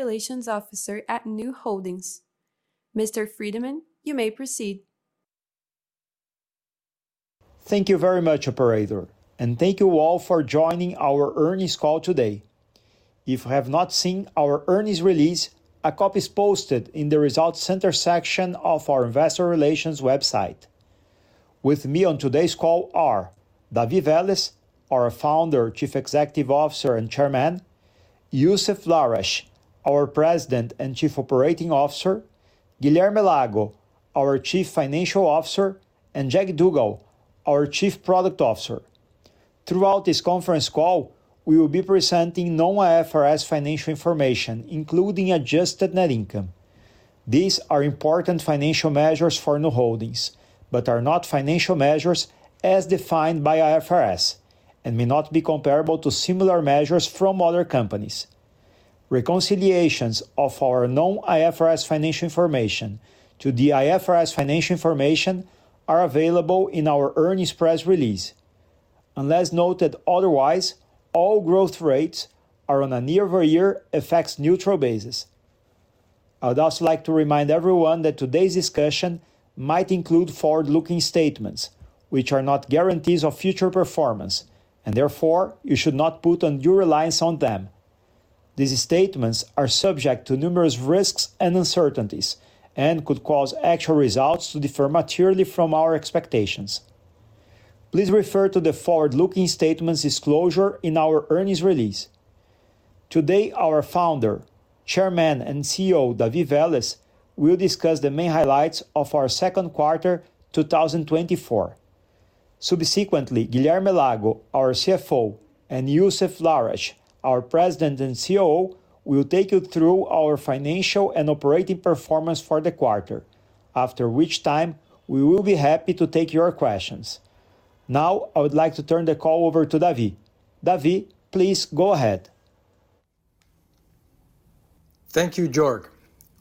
Relations Officer at Nu Holdings. Mr. Friedmann, you may proceed. Thank you very much, operator, and thank you all for joining our earnings call today. If you have not seen our earnings release, a copy is posted in the Results Center section of our investor relations website. With me on today's call are David Vélez, our founder, Chief Executive Officer, and Chairman; Youssef Lahrech, our President and Chief Operating Officer; Guilherme Lago, our Chief Financial Officer; and Jag Duggal, our Chief Product Officer. Throughout this conference call, we will be presenting non-IFRS financial information, including adjusted net income. These are important financial measures for Nu Holdings, but are not financial measures as defined by IFRS, and may not be comparable to similar measures from other companies. Reconciliations of our non-IFRS financial information to the IFRS financial information are available in our earnings press release. Unless noted otherwise, all growth rates are on a year-over-year, FX-neutral basis. I'd also like to remind everyone that today's discussion might include forward-looking statements, which are not guarantees of future performance, and therefore, you should not put undue reliance on them. These statements are subject to numerous risks and uncertainties and could cause actual results to differ materially from our expectations. Please refer to the forward-looking statements disclosure in our earnings release. Today, our Founder, Chairman, and CEO, David Vélez, will discuss the main highlights of our second quarter, 2024. Subsequently, Guilherme Lago, our CFO, and Youssef Lahrech, our President and COO, will take you through our financial and operating performance for the quarter, after which time we will be happy to take your questions. Now, I would like to turn the call over to David. David, please go ahead. Thank you, Jörg.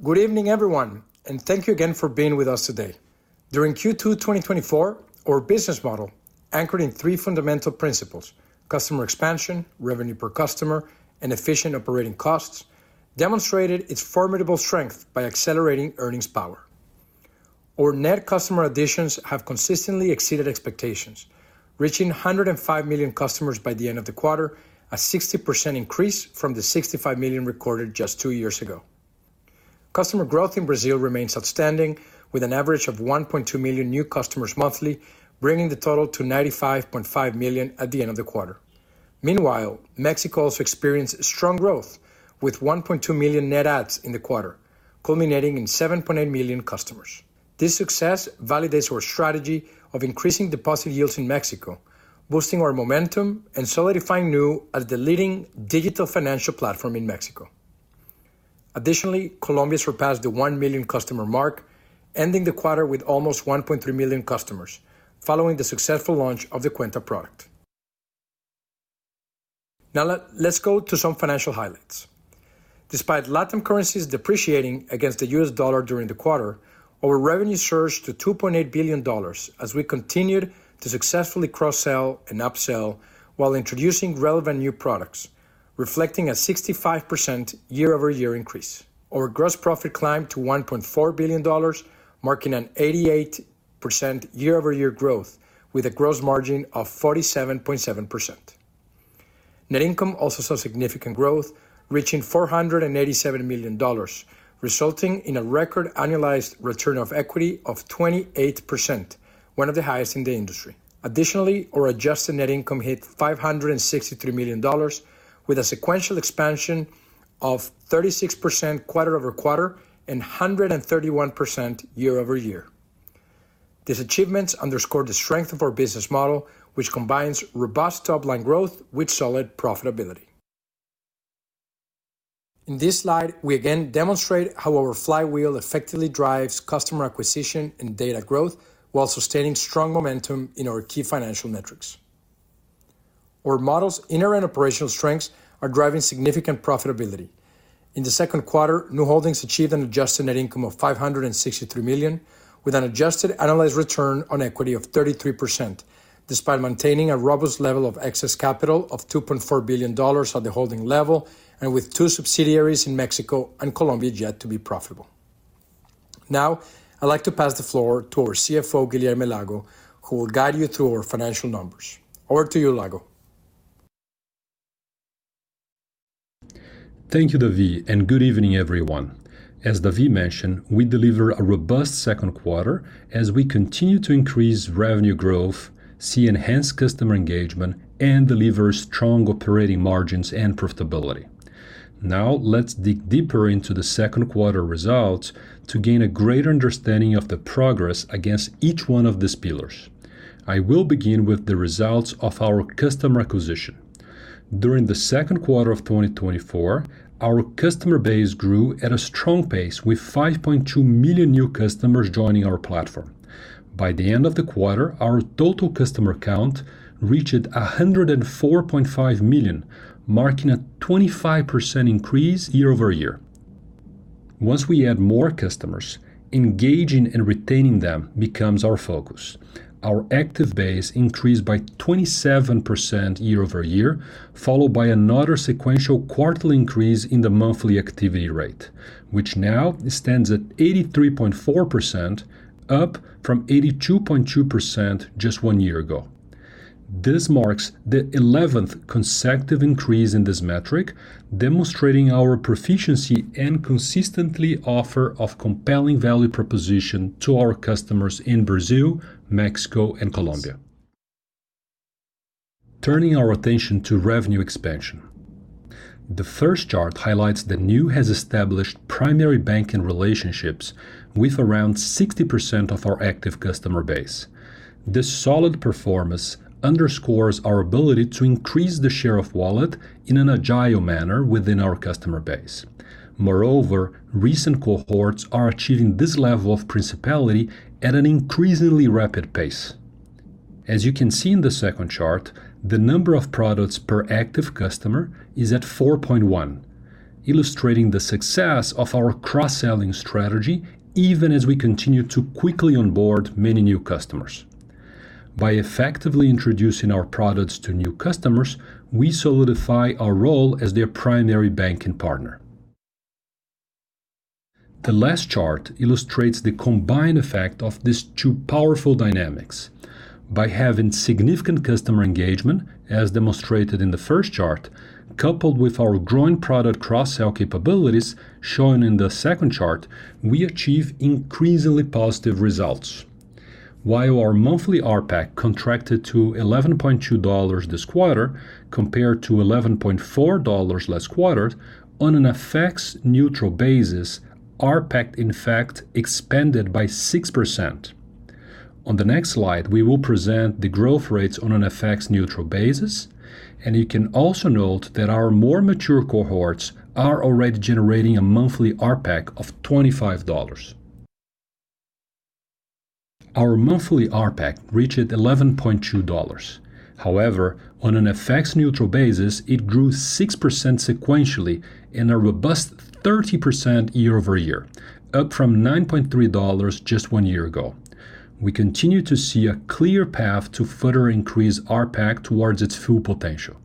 Good evening, everyone, and thank you again for being with us today. During Q2 2024, our business model, anchored in three fundamental principles: customer expansion, revenue per customer, and efficient operating costs, demonstrated its formidable strength by accelerating earnings power. Our net customer additions have consistently exceeded expectations, reaching 105 million customers by the end of the quarter, a 60% increase from the 65 million recorded just two years ago. Customer growth in Brazil remains outstanding, with an average of 1.2 million new customers monthly, bringing the total to 95.5 million at the end of the quarter. Meanwhile, Mexico also experienced strong growth, with 1.2 million net adds in the quarter, culminating in 7.8 million customers. This success validates our strategy of increasing deposit yields in Mexico, boosting our momentum and solidifying Nu as the leading digital financial platform in Mexico. Additionally, Colombia surpassed the 1 million customer mark, ending the quarter with almost 1.3 million customers following the successful launch of the Cuenta product. Now, let's go to some financial highlights. Despite Latam currencies depreciating against the US dollar during the quarter, our revenue surged to $2.8 billion as we continued to successfully cross-sell and upsell while introducing relevant new products, reflecting a 65% year-over-year increase. Our gross profit climbed to $1.4 billion, marking an 88% year-over-year growth with a gross margin of 47.7%. Net income also saw significant growth, reaching $487 million, resulting in a record annualized return on equity of 28%, one of the highest in the industry. Additionally, our adjusted net income hit $563 million, with a sequential expansion of 36% quarter-over-quarter and 131% year-over-year. These achievements underscore the strength of our business model, which combines robust top-line growth with solid profitability. In this slide, we again demonstrate how our flywheel effectively drives customer acquisition and data growth while sustaining strong momentum in our key financial metrics. Our model's inherent operational strengths are driving significant profitability. In the second quarter, Nu Holdings achieved an adjusted net income of $563 million, with an adjusted annualized return on equity of 33%, despite maintaining a robust level of excess capital of $2.4 billion at the holding level and with two subsidiaries in Mexico and Colombia yet to be profitable. Now, I'd like to pass the floor to our CFO, Guilherme Lago, who will guide you through our financial numbers. Over to you, Lago. Thank you, David, and good evening, everyone. As David mentioned, we delivered a robust second quarter as we continue to increase revenue growth, see enhanced customer engagement, and deliver strong operating margins and profitability. Now, let's dig deeper into the second quarter results to gain a greater understanding of the progress against each one of these pillars. I will begin with the results of our customer acquisition. During the second quarter of 2024, our customer base grew at a strong pace, with 5.2 million new customers joining our platform. By the end of the quarter, our total customer count reached 104.5 million, marking a 25% increase year-over-year.... Once we add more customers, engaging and retaining them becomes our focus. Our active base increased by 27% year-over-year, followed by another sequential quarterly increase in the monthly activity rate, which now stands at 83.4%, up from 82.2% just one year ago. This marks the 11th consecutive increase in this metric, demonstrating our proficiency and consistently offer of compelling value proposition to our customers in Brazil, Mexico, and Colombia. Turning our attention to revenue expansion. The first chart highlights that Nu has established primary banking relationships with around 60% of our active customer base. This solid performance underscores our ability to increase the share of wallet in an agile manner within our customer base. Moreover, recent cohorts are achieving this level of principality at an increasingly rapid pace. As you can see in the second chart, the number of products per active customer is at 4.1, illustrating the success of our cross-selling strategy, even as we continue to quickly onboard many new customers. By effectively introducing our products to new customers, we solidify our role as their primary banking partner. The last chart illustrates the combined effect of these two powerful dynamics. By having significant customer engagement, as demonstrated in the first chart, coupled with our growing product cross-sell capabilities shown in the second chart, we achieve increasingly positive results. While our monthly AARPAC contracted to $11.2 this quarter compared to $11.4 last quarter, on an FX neutral basis, AARPAC, in fact, expanded by 6%. On the next slide, we will present the growth rates on an FX neutral basis, and you can also note that our more mature cohorts are already generating a monthly ARPAC of $25. Our monthly ARPAC reached $11.2. However, on an FX neutral basis, it grew 6% sequentially and a robust 30% year-over-year, up from $9.3 just one year ago. We continue to see a clear path to further increase ARPAC towards its full potential.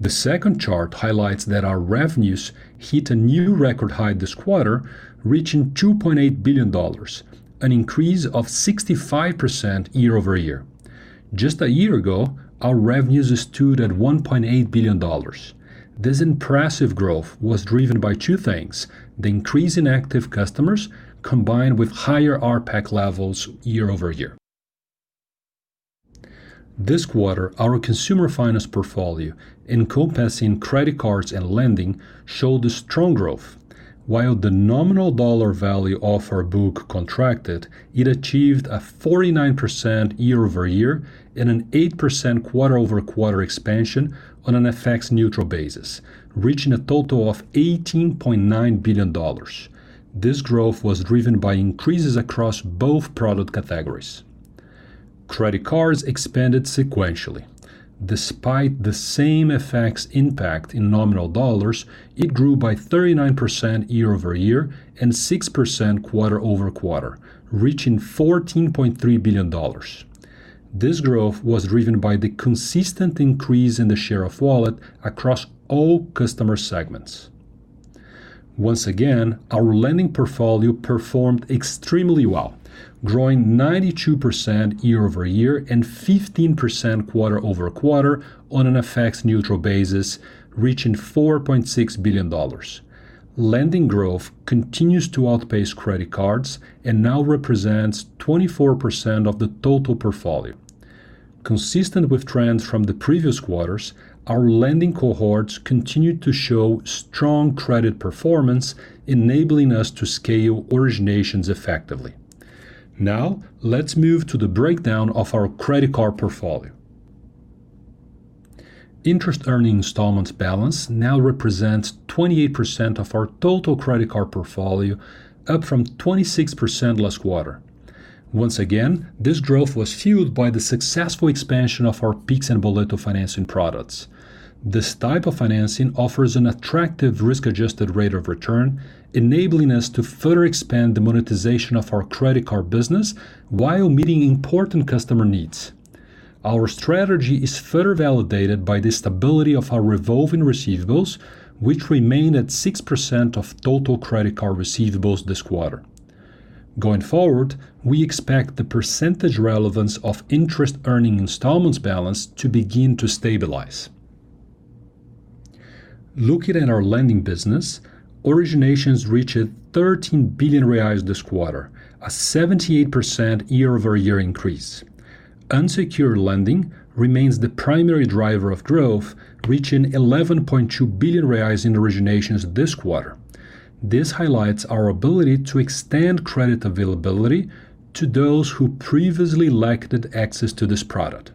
The second chart highlights that our revenues hit a new record high this quarter, reaching $2.8 billion, an increase of 65% year-over-year. Just a year ago, our revenues stood at $1.8 billion. This impressive growth was driven by two things: the increase in active customers, combined with higher ARPAC levels year-over-year. This quarter, our consumer finance portfolio, encompassing credit cards and lending, showed a strong growth. While the nominal dollar value of our book contracted, it achieved a 49% year-over-year and an 8% quarter-over-quarter expansion on an FX neutral basis, reaching a total of $18.9 billion. This growth was driven by increases across both product categories. Credit cards expanded sequentially. Despite the same effects impact in nominal dollars, it grew by 39% year-over-year and 6% quarter-over-quarter, reaching $14.3 billion. This growth was driven by the consistent increase in the share of wallet across all customer segments. Once again, our lending portfolio performed extremely well, growing 92% year-over-year and 15% quarter-over-quarter on an FX neutral basis, reaching $4.6 billion. Lending growth continues to outpace credit cards and now represents 24% of the total portfolio. Consistent with trends from the previous quarters, our lending cohorts continued to show strong credit performance, enabling us to scale originations effectively. Now, let's move to the breakdown of our credit card portfolio. Interest earning installments balance now represents 28% of our total credit card portfolio, up from 26% last quarter. Once again, this growth was fueled by the successful expansion of our Pix and Boleto financing products. This type of financing offers an attractive, risk-adjusted rate of return, enabling us to further expand the monetization of our credit card business while meeting important customer needs. Our strategy is further validated by the stability of our revolving receivables, which remained at 6% of total credit card receivables this quarter. Going forward, we expect the percentage relevance of interest earning installments balance to begin to stabilize. Looking at our lending business, originations reached 13 billion reais this quarter, a 78% year-over-year increase. Unsecured lending remains the primary driver of growth, reaching 11.2 billion reais in originations this quarter. This highlights our ability to extend credit availability to those who previously lacked access to this product....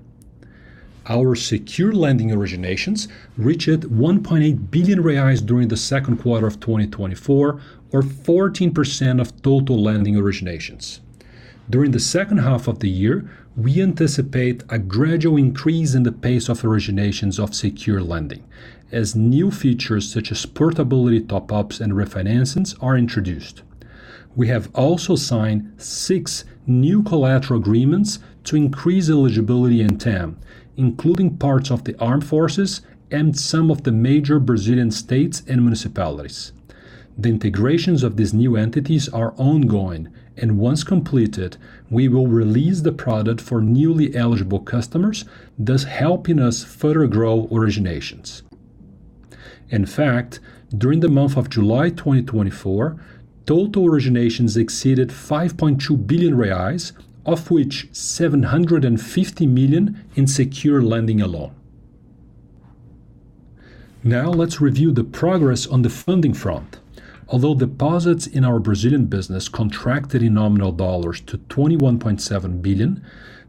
Our secured lending originations reached 1.8 billion reais during the second quarter of 2024, or 14% of total lending originations. During the second half of the year, we anticipate a gradual increase in the pace of originations of secured lending, as new features such as portability, top-ups, and refinancings are introduced. We have also signed 6 new collateral agreements to increase eligibility in TAM, including parts of the armed forces and some of the major Brazilian states and municipalities. The integrations of these new entities are ongoing, and once completed, we will release the product for newly eligible customers, thus helping us further grow originations. In fact, during the month of July 2024, total originations exceeded 5.2 billion reais, of which 750 million in secured lending alone. Now, let's review the progress on the funding front. Although deposits in our Brazilian business contracted in nominal dollars to $21.7 billion,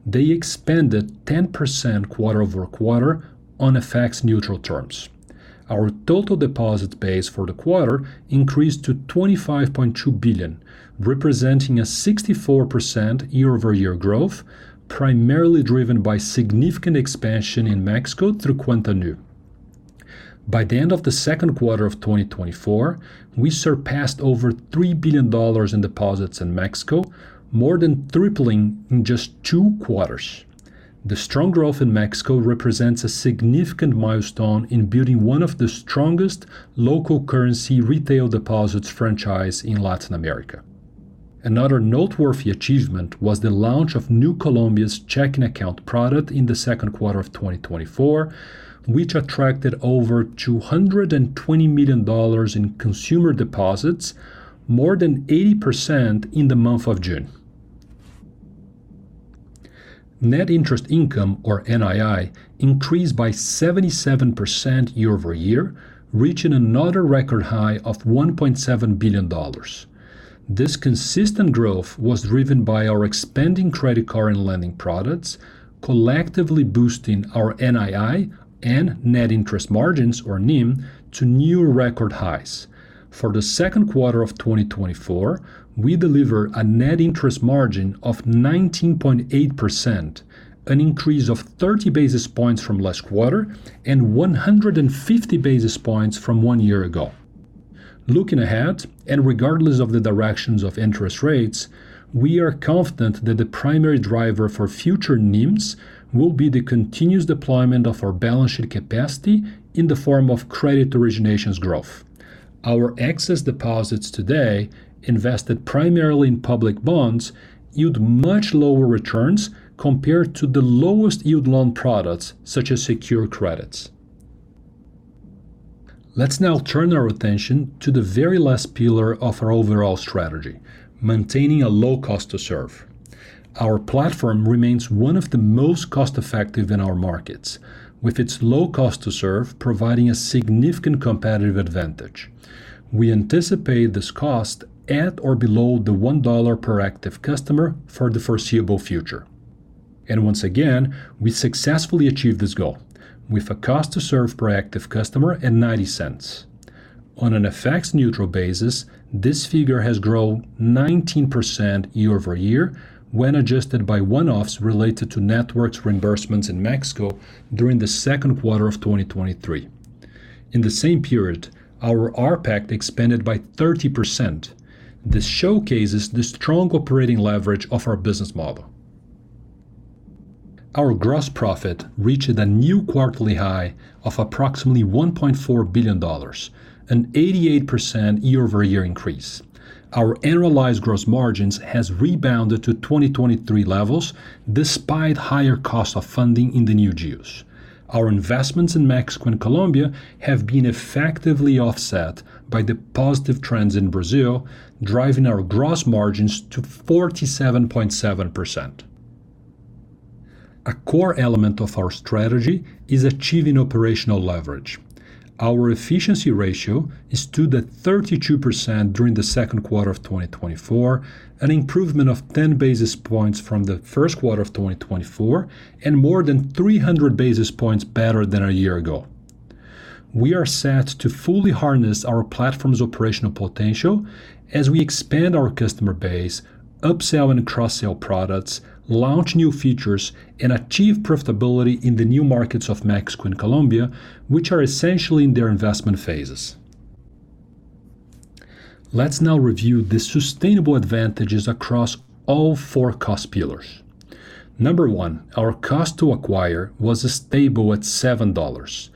they expanded 10% quarter-over-quarter on FX-neutral terms. Our total deposit base for the quarter increased to $25.2 billion, representing a 64% year-over-year growth, primarily driven by significant expansion in Mexico through Cuenta Nu. By the end of the second quarter of 2024, we surpassed over $3 billion in deposits in Mexico, more than tripling in just two quarters. The strong growth in Mexico represents a significant milestone in building one of the strongest local currency retail deposits franchise in Latin America. Another noteworthy achievement was the launch of Nu Colombia's checking account product in the second quarter of 2024, which attracted over $220 million in consumer deposits, more than 80% in the month of June. Net interest income, or NII, increased by 77% year-over-year, reaching another record high of $1.7 billion. This consistent growth was driven by our expanding credit card and lending products, collectively boosting our NII and net interest margins, or NIM, to new record highs. For the second quarter of 2024, we delivered a net interest margin of 19.8%, an increase of 30 basis points from last quarter and 150 basis points from one year ago. Looking ahead, and regardless of the directions of interest rates, we are confident that the primary driver for future NIMs will be the continuous deployment of our balance sheet capacity in the form of credit originations growth. Our excess deposits today, invested primarily in public bonds, yield much lower returns compared to the lowest-yield loan products, such as secured credits. Let's now turn our attention to the very last pillar of our overall strategy: maintaining a low cost to serve. Our platform remains one of the most cost-effective in our markets, with its low cost to serve providing a significant competitive advantage. We anticipate this cost at or below $1 per active customer for the foreseeable future. Once again, we successfully achieved this goal with a cost to serve per active customer at $0.90. On an FX neutral basis, this figure has grown 19% year-over-year when adjusted by one-offs related to networks reimbursements in Mexico during the second quarter of 2023. In the same period, our ARPAC expanded by 30%. This showcases the strong operating leverage of our business model. Our gross profit reached a new quarterly high of approximately $1.4 billion, an 88% year-over-year increase. Our annualized gross margins has rebounded to 2023 levels, despite higher cost of funding in the new geos. Our investments in Mexico and Colombia have been effectively offset by the positive trends in Brazil, driving our gross margins to 47.7%. A core element of our strategy is achieving operational leverage. Our efficiency ratio is stood at 32% during the second quarter of 2024, an improvement of 10 basis points from the first quarter of 2024 and more than 300 basis points better than a year ago. We are set to fully harness our platform's operational potential as we expand our customer base, upsell and cross-sell products, launch new features, and achieve profitability in the new markets of Mexico and Colombia, which are essentially in their investment phases. Let's now review the sustainable advantages across all four cost pillars. Number 1, our cost to acquire was stable at $7.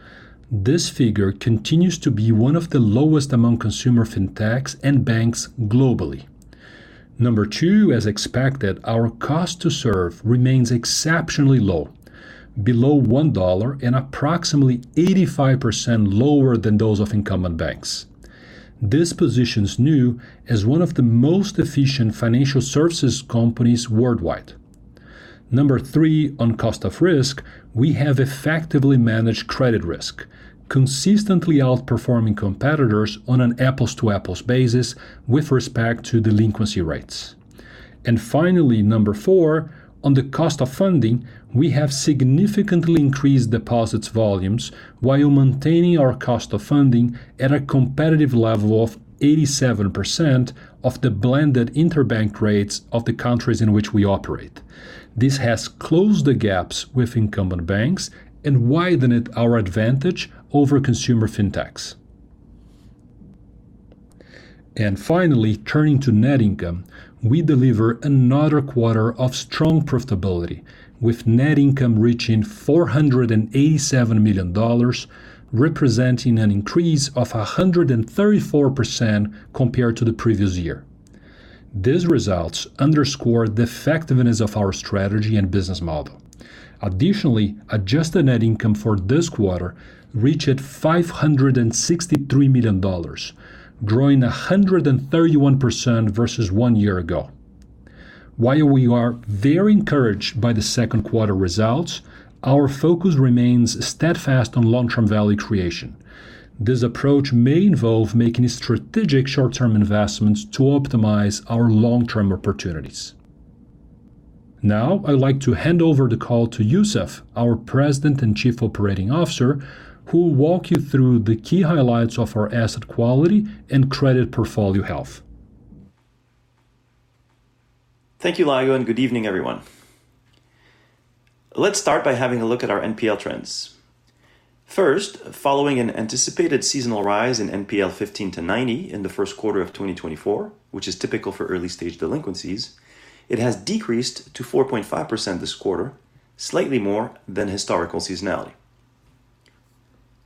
This figure continues to be one of the lowest among consumer fintechs and banks globally. Number two, as expected, our cost to serve remains exceptionally low, below $1 and approximately 85% lower than those of incumbent banks. This positions Nu as one of the most efficient financial services companies worldwide. Number three, on cost of risk, we have effectively managed credit risk, consistently outperforming competitors on an apples-to-apples basis with respect to delinquency rates. And finally, number four, on the cost of funding, we have significantly increased deposits volumes while maintaining our cost of funding at a competitive level of 87% of the blended interbank rates of the countries in which we operate. This has closed the gaps with incumbent banks and widened our advantage over consumer fintechs. Finally, turning to net income, we deliver another quarter of strong profitability, with net income reaching $487 million, representing an increase of 134% compared to the previous year. These results underscore the effectiveness of our strategy and business model. Additionally, adjusted net income for this quarter reached $563 million, growing 131% versus one year ago. While we are very encouraged by the second quarter results, our focus remains steadfast on long-term value creation. This approach may involve making strategic short-term investments to optimize our long-term opportunities. Now, I'd like to hand over the call to Youssef, our President and Chief Operating Officer, who will walk you through the key highlights of our asset quality and credit portfolio health. Thank you, Lago, and good evening, everyone. Let's start by having a look at our NPL trends. First, following an anticipated seasonal rise in NPL 15-90 in the first quarter of 2024, which is typical for early-stage delinquencies, it has decreased to 4.5% this quarter, slightly more than historical seasonality.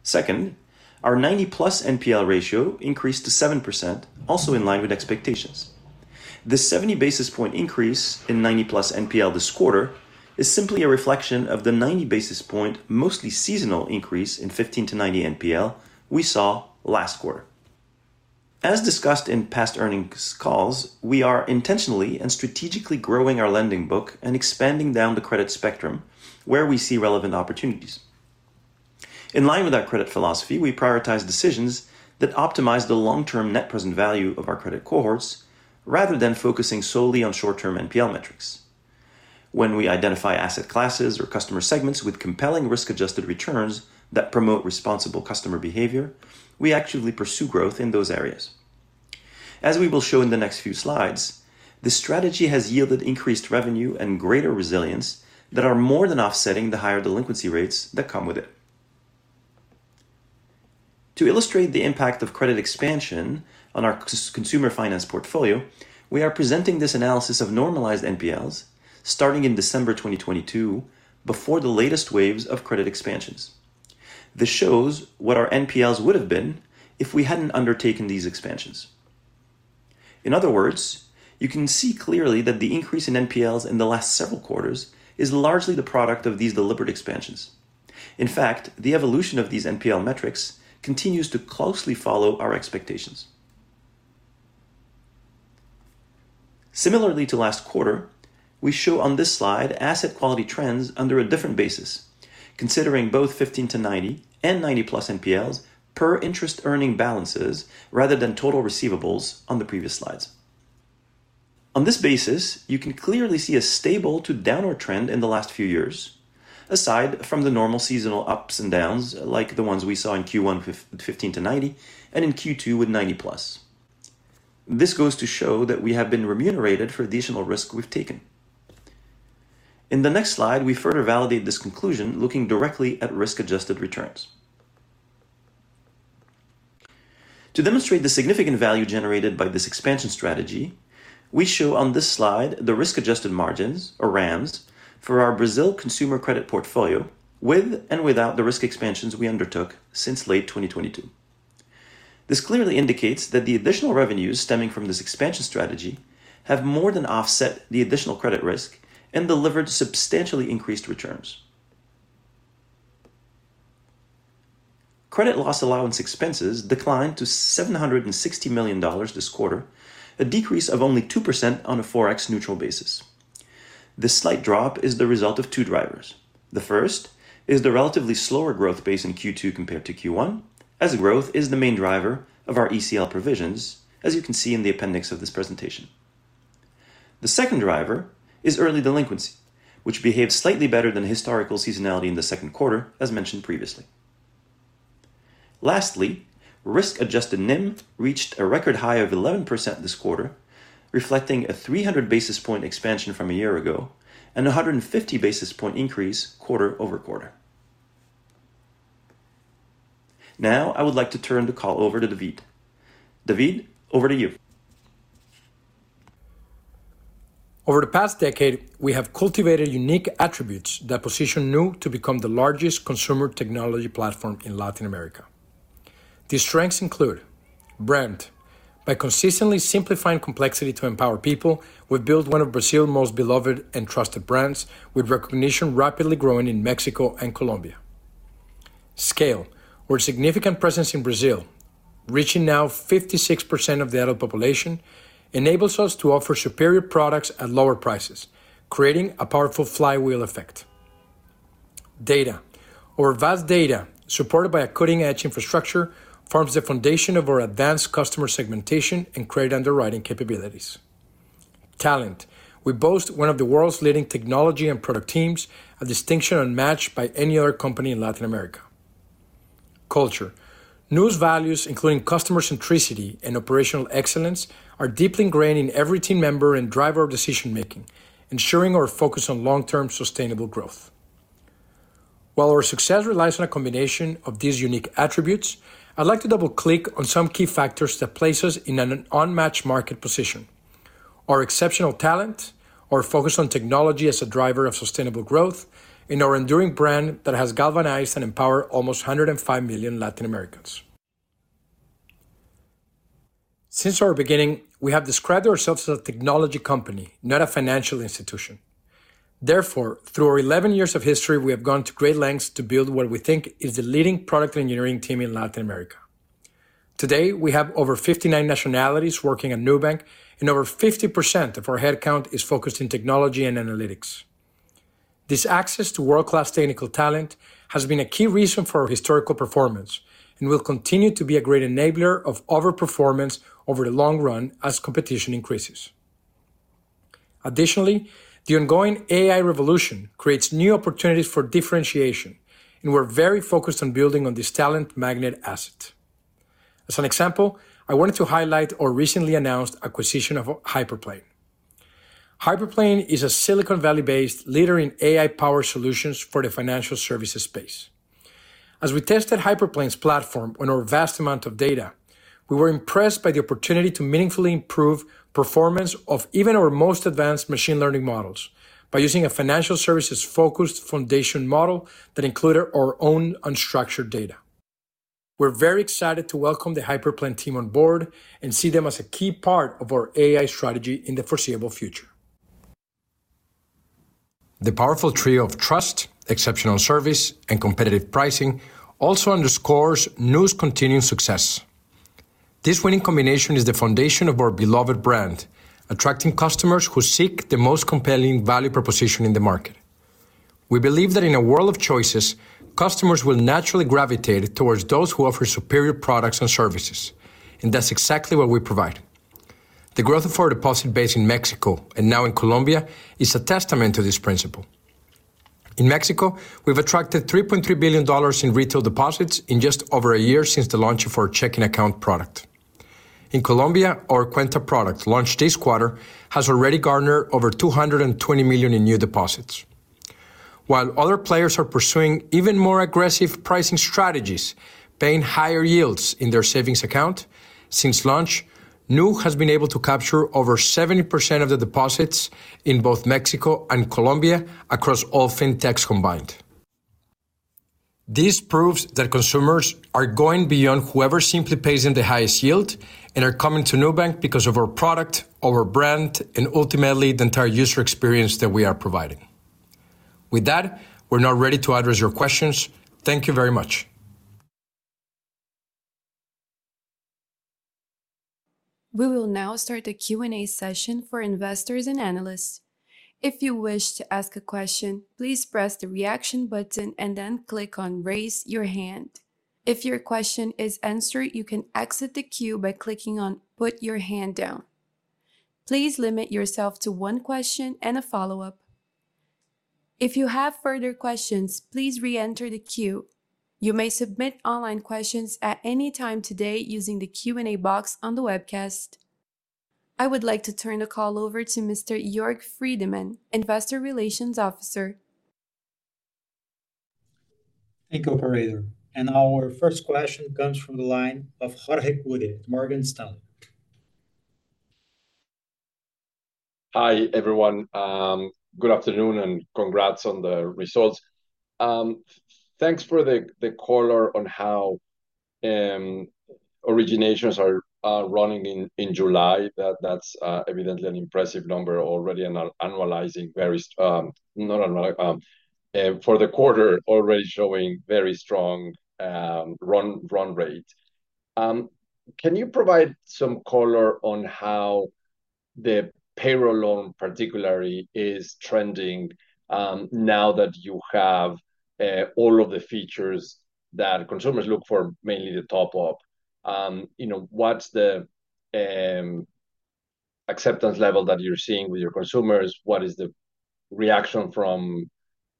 Second, our 90+ NPL ratio increased to 7%, also in line with expectations. This 70 basis point increase in 90+ NPL this quarter is simply a reflection of the 90 basis point, mostly seasonal increase in 15-90 NPL we saw last quarter. As discussed in past earnings calls, we are intentionally and strategically growing our lending book and expanding down the credit spectrum where we see relevant opportunities. In line with our credit philosophy, we prioritize decisions that optimize the long-term net present value of our credit cohorts, rather than focusing solely on short-term NPL metrics. When we identify asset classes or customer segments with compelling risk-adjusted returns that promote responsible customer behavior, we actively pursue growth in those areas. As we will show in the next few slides, this strategy has yielded increased revenue and greater resilience that are more than offsetting the higher delinquency rates that come with it. To illustrate the impact of credit expansion on our consumer finance portfolio, we are presenting this analysis of normalized NPLs starting in December 2022, before the latest waves of credit expansions. This shows what our NPLs would have been if we hadn't undertaken these expansions. In other words, you can see clearly that the increase in NPLs in the last several quarters is largely the product of these deliberate expansions. In fact, the evolution of these NPL metrics continues to closely follow our expectations. Similarly to last quarter, we show on this slide asset quality trends under a different basis, considering both 15-90 and 90+ NPLs per interest-earning balances rather than total receivables on the previous slides. On this basis, you can clearly see a stable to downward trend in the last few years, aside from the normal seasonal ups and downs, like the ones we saw in Q1 with 15-90 and in Q2 with 90+. This goes to show that we have been remunerated for additional risk we've taken. In the next slide, we further validate this conclusion, looking directly at risk-adjusted returns. To demonstrate the significant value generated by this expansion strategy, we show on this slide the risk-adjusted margins, or RAMs, for our Brazil consumer credit portfolio with and without the risk expansions we undertook since late 2022. This clearly indicates that the additional revenues stemming from this expansion strategy have more than offset the additional credit risk and delivered substantially increased returns. Credit loss allowance expenses declined to $760 million this quarter, a decrease of only 2% on a Forex neutral basis. This slight drop is the result of two drivers. The first is the relatively slower growth base in Q2 compared to Q1, as growth is the main driver of our ECL provisions, as you can see in the appendix of this presentation. The second driver is early delinquency, which behaves slightly better than historical seasonality in the second quarter, as mentioned previously. Lastly, risk-adjusted NIM reached a record high of 11% this quarter, reflecting a 300 basis point expansion from a year ago and a 150 basis point increase quarter-over-quarter. Now, I would like to turn the call over to David. David, over to you. Over the past decade, we have cultivated unique attributes that position Nu to become the largest consumer technology platform in Latin America. These strengths include brand. By consistently simplifying complexity to empower people, we've built one of Brazil's most beloved and trusted brands, with recognition rapidly growing in Mexico and Colombia.... Scale, or significant presence in Brazil, reaching now 56% of the adult population, enables us to offer superior products at lower prices, creating a powerful flywheel effect. Data, our vast data, supported by a cutting-edge infrastructure, forms the foundation of our advanced customer segmentation and credit underwriting capabilities. Talent, we boast one of the world's leading technology and product teams, a distinction unmatched by any other company in Latin America. Culture, Nu's values, including customer centricity and operational excellence, are deeply ingrained in every team member and drive our decision-making, ensuring our focus on long-term sustainable growth. While our success relies on a combination of these unique attributes, I'd like to double-click on some key factors that place us in an unmatched market position: our exceptional talent, our focus on technology as a driver of sustainable growth, and our enduring brand that has galvanized and empowered almost 105 million Latin Americans. Since our beginning, we have described ourselves as a technology company, not a financial institution. Therefore, through our 11 years of history, we have gone to great lengths to build what we think is the leading product engineering team in Latin America. Today, we have over 59 nationalities working at Nubank, and over 50% of our headcount is focused in technology and analytics. This access to world-class technical talent has been a key reason for our historical performance and will continue to be a great enabler of overperformance over the long run as competition increases. Additionally, the ongoing AI revolution creates new opportunities for differentiation, and we're very focused on building on this talent magnet asset. As an example, I wanted to highlight our recently announced acquisition of Hyperplane. Hyperplane is a Silicon Valley-based leader in AI-powered solutions for the financial services space. As we tested Hyperplane's platform on our vast amount of data, we were impressed by the opportunity to meaningfully improve performance of even our most advanced machine learning models by using a financial services-focused foundation model that included our own unstructured data. We're very excited to welcome the Hyperplane team on board and see them as a key part of our AI strategy in the foreseeable future. The powerful trio of trust, exceptional service, and competitive pricing also underscores Nu's continuing success. This winning combination is the foundation of our beloved brand, attracting customers who seek the most compelling value proposition in the market. We believe that in a world of choices, customers will naturally gravitate towards those who offer superior products and services, and that's exactly what we provide. The growth of our deposit base in Mexico, and now in Colombia, is a testament to this principle. In Mexico, we've attracted $3.3 billion in retail deposits in just over a year since the launch of our checking account product. In Colombia, our Cuenta product, launched this quarter, has already garnered over $220 million in new deposits. While other players are pursuing even more aggressive pricing strategies, paying higher yields in their savings account, since launch, Nu has been able to capture over 70% of the deposits in both Mexico and Colombia across all fintechs combined. This proves that consumers are going beyond whoever simply pays them the highest yield and are coming to Nubank because of our product, our brand, and ultimately, the entire user experience that we are providing. With that, we're now ready to address your questions. Thank you very much. We will now start the Q&A session for investors and analysts. If you wish to ask a question, please press the Reaction button and then click on Raise Your Hand. If your question is answered, you can exit the queue by clicking on Put Your Hand Down. Please limit yourself to one question and a follow-up. If you have further questions, please reenter the queue. You may submit online questions at any time today using the Q&A box on the webcast. I would like to turn the call over to Mr. Jörg Friedmann, Investor Relations Officer. Thank you, operator. And our first question comes from the line of Jorge Kuri, Morgan Stanley. Hi, everyone. Good afternoon, and congrats on the results. Thanks for the color on how originations are running in July. That's evidently an impressive number already, and annualizing very strong run rate for the quarter. Can you provide some color on how the payroll loan particularly is trending, now that you have all of the features that consumers look for, mainly the top up? You know, what's the acceptance level that you're seeing with your consumers? What is the reaction from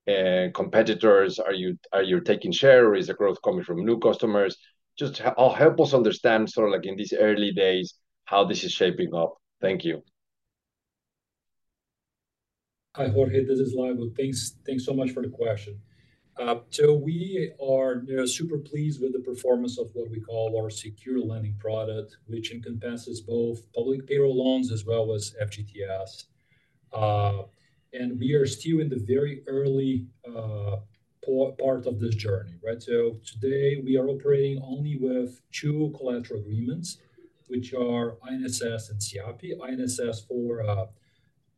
competitors? Are you taking share, or is the growth coming from new customers? Just help us understand, sort of like in these early days, how this is shaping up. Thank you. Hi, Jorge, this is Lago. Thanks, thanks so much for the question. So we are, you know, super pleased with the performance of what we call our secure lending product, which encompasses both public payroll loans as well as FGTS. And we are still in the very early part of this journey, right? So today, we are operating only with two collateral agreements, which are INSS and SIAPE. INSS for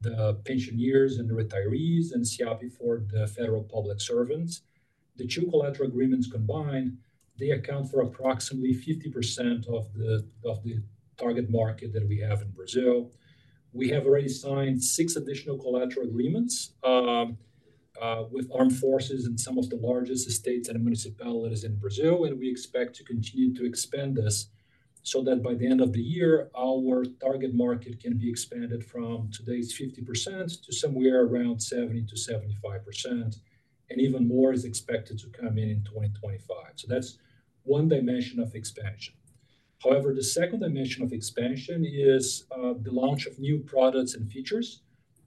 the pensioners and the retirees and SIAPE for the federal public servants. The two collateral agreements combined, they account for approximately 50% of the target market that we have in Brazil. We have already signed six additional collateral agreements with armed forces in some of the largest states and municipalities in Brazil, and we expect to continue to expand this, so that by the end of the year, our target market can be expanded from today's 50% to somewhere around 70%-75%, and even more is expected to come in in 2025. So that's one dimension of expansion. However, the second dimension of expansion is the launch of new products and features,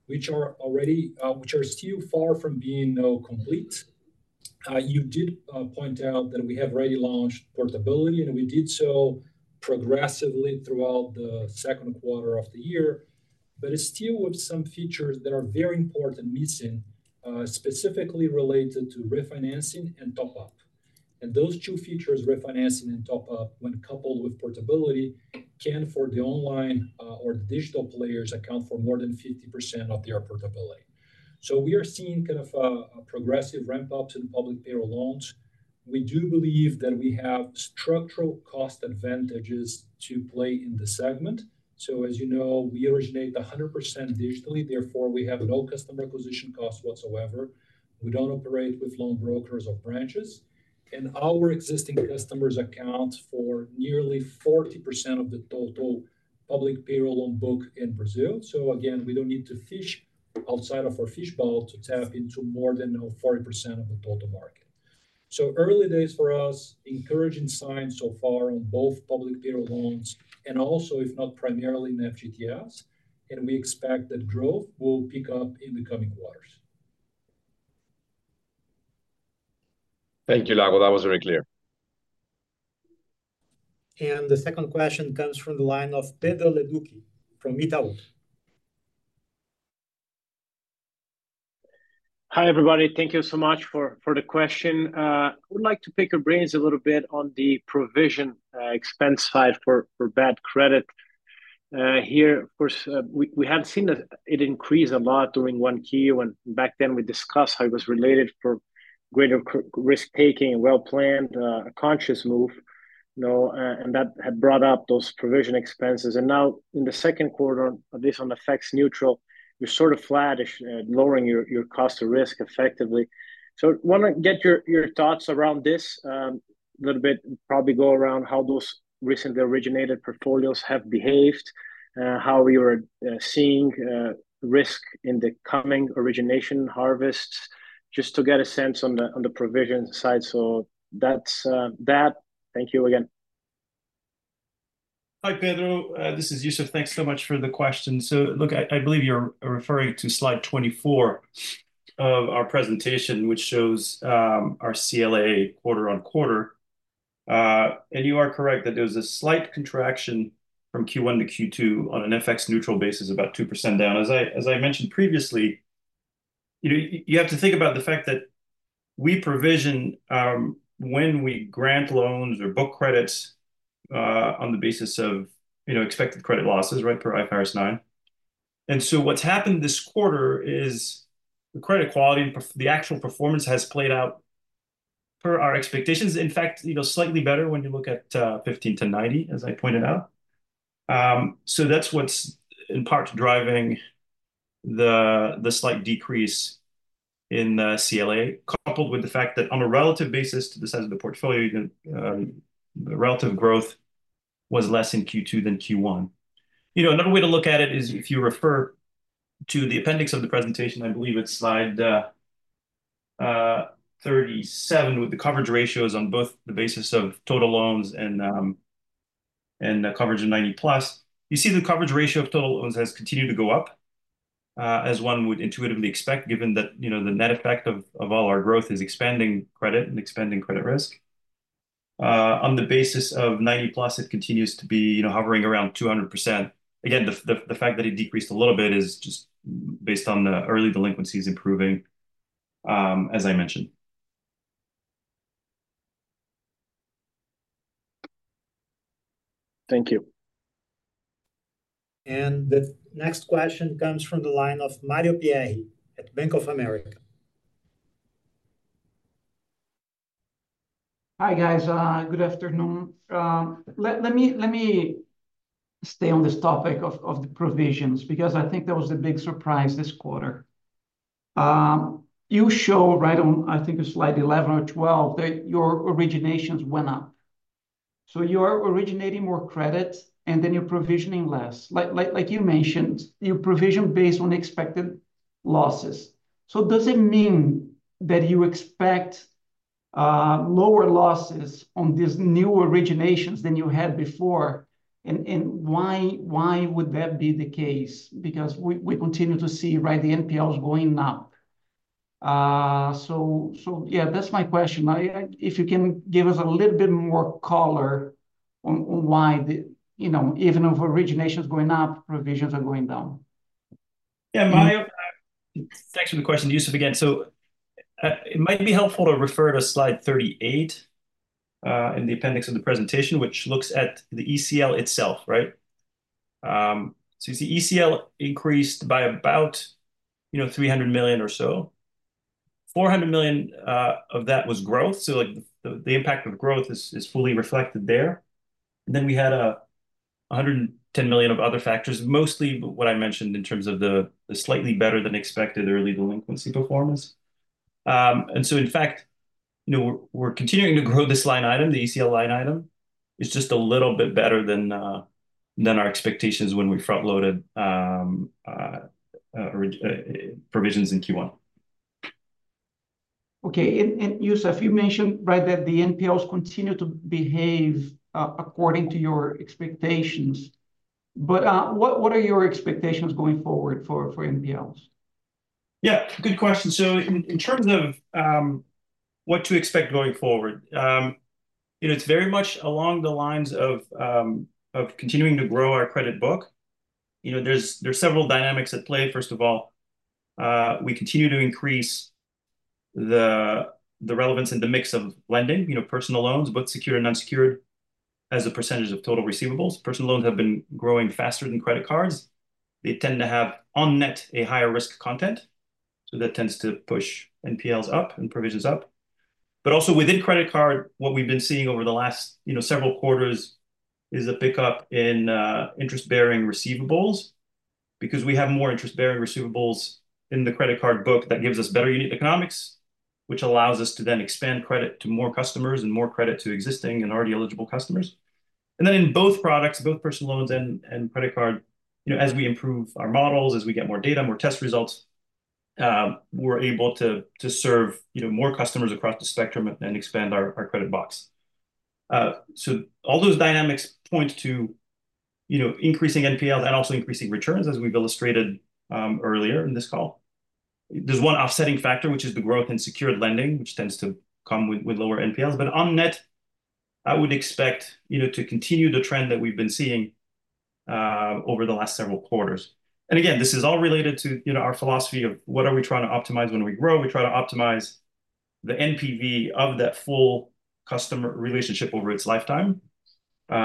which are already which are still far from being, though, complete. You did point out that we have already launched portability, and we did so progressively throughout the second quarter of the year, but it's still with some features that are very important missing, specifically related to refinancing and top up. Those two features, refinancing and top up, when coupled with portability, can, for the online or the digital players, account for more than 50% of their portability. So we are seeing kind of a progressive ramp-ups in public payroll loans. We do believe that we have structural cost advantages to play in the segment. So as you know, we originate 100% digitally, therefore, we have no customer acquisition cost whatsoever. We don't operate with loan brokers or branches, and our existing customers account for nearly 40% of the total public payroll loan book in Brazil. So again, we don't need to fish outside of our fishbowl to tap into more than 40% of the total market. Early days for us, encouraging signs so far on both public payroll loans and also, if not, primarily in FGTS, and we expect that growth will pick up in the coming quarters. Thank you, Lago. That was very clear. The second question comes from the line of Pedro Leduc from Itaú. Hi, everybody. Thank you so much for the question. I would like to pick your brains a little bit on the provision expense side for bad credit. Here, of course, we had seen that it increased a lot during Q1, when back then we discussed how it was related to greater credit risk-taking and a well-planned, conscious move, you know, and that had brought up those provision expenses. And now, in the second quarter, at least on the FX neutral, you're sort of flattish, lowering your cost of risk effectively. So I want to get your thoughts around this a little bit, probably go around how those recently originated portfolios have behaved, how we were seeing risk in the coming origination harvests, just to get a sense on the provision side. So that's that. Thank you again. Hi, Pedro, this is Youssef. Thanks so much for the question. So look, I believe you're referring to slide 24 of our presentation, which shows our CLA quarter on quarter. And you are correct that there was a slight contraction from Q1 to Q2 on an FX-neutral basis, about 2% down. As I mentioned previously, you know, you have to think about the fact that we provision when we grant loans or book credits on the basis of, you know, expected credit losses, right, per IFRS 9. So what's happened this quarter is the credit quality and the actual performance has played out per our expectations. In fact, you know, slightly better when you look at 15-90, as I pointed out. So that's what's in part driving the slight decrease in the CLA, coupled with the fact that on a relative basis to the size of the portfolio, even the relative growth was less in Q2 than Q1. You know, another way to look at it is if you refer to the appendix of the presentation, I believe it's slide 37, with the coverage ratios on both the basis of total loans and coverage of 90+. You see the coverage ratio of total loans has continued to go up, as one would intuitively expect, given that, you know, the net effect of all our growth is expanding credit and expanding credit risk. On the basis of 90+, it continues to be, you know, hovering around 200%. Again, the fact that it decreased a little bit is just based on the early delinquencies improving, as I mentioned. Thank you. The next question comes from the line of Mario Pierry at Bank of America. Hi, guys, good afternoon. Let me stay on this topic of the provisions, because I think that was the big surprise this quarter. You show right on, I think it's slide 11 or 12, that your originations went up. So you are originating more credit, and then you're provisioning less. Like you mentioned, you provision based on expected losses. So does it mean that you expect lower losses on these new originations than you had before? And why would that be the case? Because we continue to see, right, the NPLs going up. So yeah, that's my question. If you can give us a little bit more color on why the, you know, even if origination is going up, provisions are going down? Thanks for the question, Youssef, again. So, it might be helpful to refer to slide 38 in the appendix of the presentation, which looks at the ECL itself, right? So you see ECL increased by about, you know, $300 million or so. $400 million of that was growth, so, like, the impact of growth is fully reflected there. And then we had $110 million of other factors, mostly what I mentioned in terms of the slightly better-than-expected early delinquency performance. And so in fact, you know, we're continuing to grow this line item, the ECL line item. It's just a little bit better than our expectations when we front-loaded provisions in Q1. Okay, Youssef, you mentioned, right, that the NPLs continue to behave according to your expectations. But what are your expectations going forward for NPLs? Yeah, good question. So in terms of what to expect going forward, you know, it's very much along the lines of continuing to grow our credit book. You know, there's several dynamics at play. First of all, we continue to increase the relevance in the mix of lending, you know, personal loans, both secured and unsecured, as a percentage of total receivables. Personal loans have been growing faster than credit cards. They tend to have, on net, a higher risk content, so that tends to push NPLs up and provisions up. But also within credit card, what we've been seeing over the last, you know, several quarters is a pickup in interest-bearing receivables. Because we have more interest-bearing receivables in the credit card book, that gives us better unit economics, which allows us to then expand credit to more customers and more credit to existing and already eligible customers. And then in both products, both personal loans and credit card, you know, as we improve our models, as we get more data, more test results, we're able to serve, you know, more customers across the spectrum and expand our credit box. So all those dynamics point to, you know, increasing NPLs and also increasing returns, as we've illustrated earlier in this call. There's one offsetting factor, which is the growth in secured lending, which tends to come with lower NPLs. But on net, I would expect, you know, to continue the trend that we've been seeing over the last several quarters. And again, this is all related to, you know, our philosophy of what are we trying to optimize when we grow? We try to optimize the NPV of that full customer relationship over its lifetime, you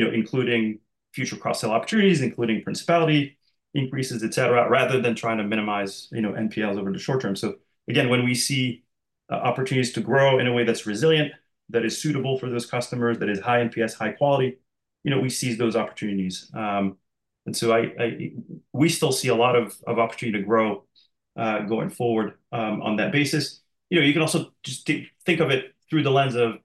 know, including future cross-sell opportunities, including principality increases, et cetera, rather than trying to minimize, you know, NPLs over the short term. So again, when we see opportunities to grow in a way that's resilient, that is suitable for those customers, that is high NPS, high quality, you know, we seize those opportunities. And so we still see a lot of opportunity to grow going forward on that basis. You know, you can also just think of it through the lens of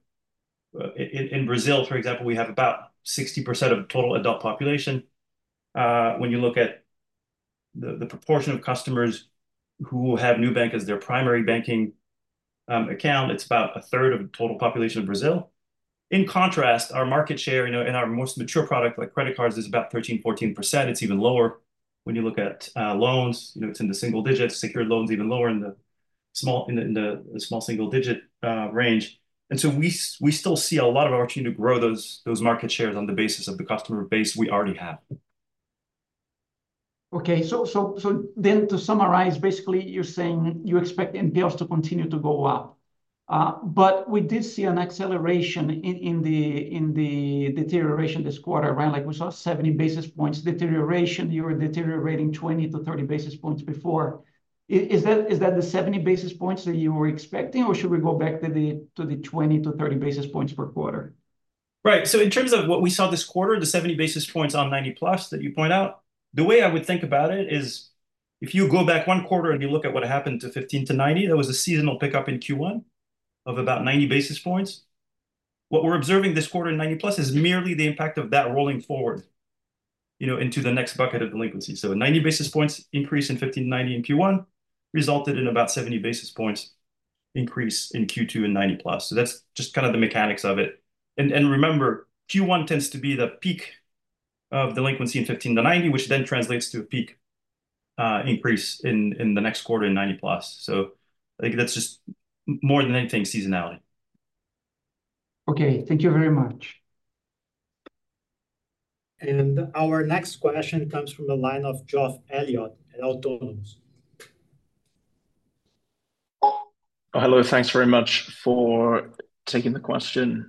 in Brazil, for example, we have about 60% of total adult population. When you look at the proportion of customers who have Nubank as their primary banking account, it's about a third of the total population of Brazil. In contrast, our market share, you know, in our most mature product, like credit cards, is about 13%-14%. It's even lower when you look at loans, you know, it's in the single digits. Secured loans, even lower, in the small single digit range. And so we still see a lot of opportunity to grow those market shares on the basis of the customer base we already have. Okay, so then to summarize, basically, you're saying you expect NPLs to continue to go up. But we did see an acceleration in the deterioration this quarter, right? Like, we saw 70 basis points deterioration. You were deteriorating 20-30 basis points before. Is that the 70 basis points that you were expecting, or should we go back to the 20-30 basis points per quarter? Right. So in terms of what we saw this quarter, the 70 basis points on 90+ that you point out, the way I would think about it is, if you go back one quarter and you look at what happened to 15-90, there was a seasonal pickup in Q1 of about 90 basis points. What we're observing this quarter in 90+ is merely the impact of that rolling forward, you know, into the next bucket of delinquency. So a 90 basis points increase in 15-90 in Q1 resulted in about 70 basis points increase in Q2 in 90+. So that's just kind of the mechanics of it. And remember, Q1 tends to be the peak of delinquency in 15-90, which then translates to a peak increase in the next quarter in 90+. So I think that's just more than anything, seasonality. Okay. Thank you very much. Our next question comes from the line of Geoff Elliott at Autonomous. Hello, thanks very much for taking the question.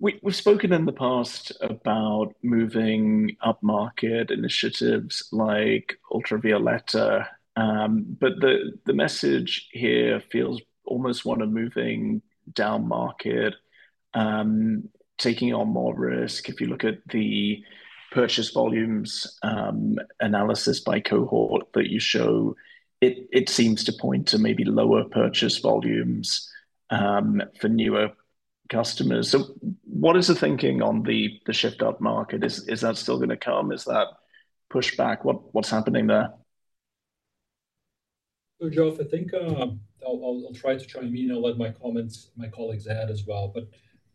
We've spoken in the past about moving upmarket initiatives like Ultravioleta, but the message here feels almost one of moving downmarket, taking on more risk. If you look at the purchase volumes analysis by cohort that you show, it seems to point to maybe lower purchase volumes for newer customers. So what is the thinking on the shift upmarket? Is that still going to come? Is that pushback? What's happening there? So Geoff, I think, I'll try to chime in and let my colleagues add as well. But,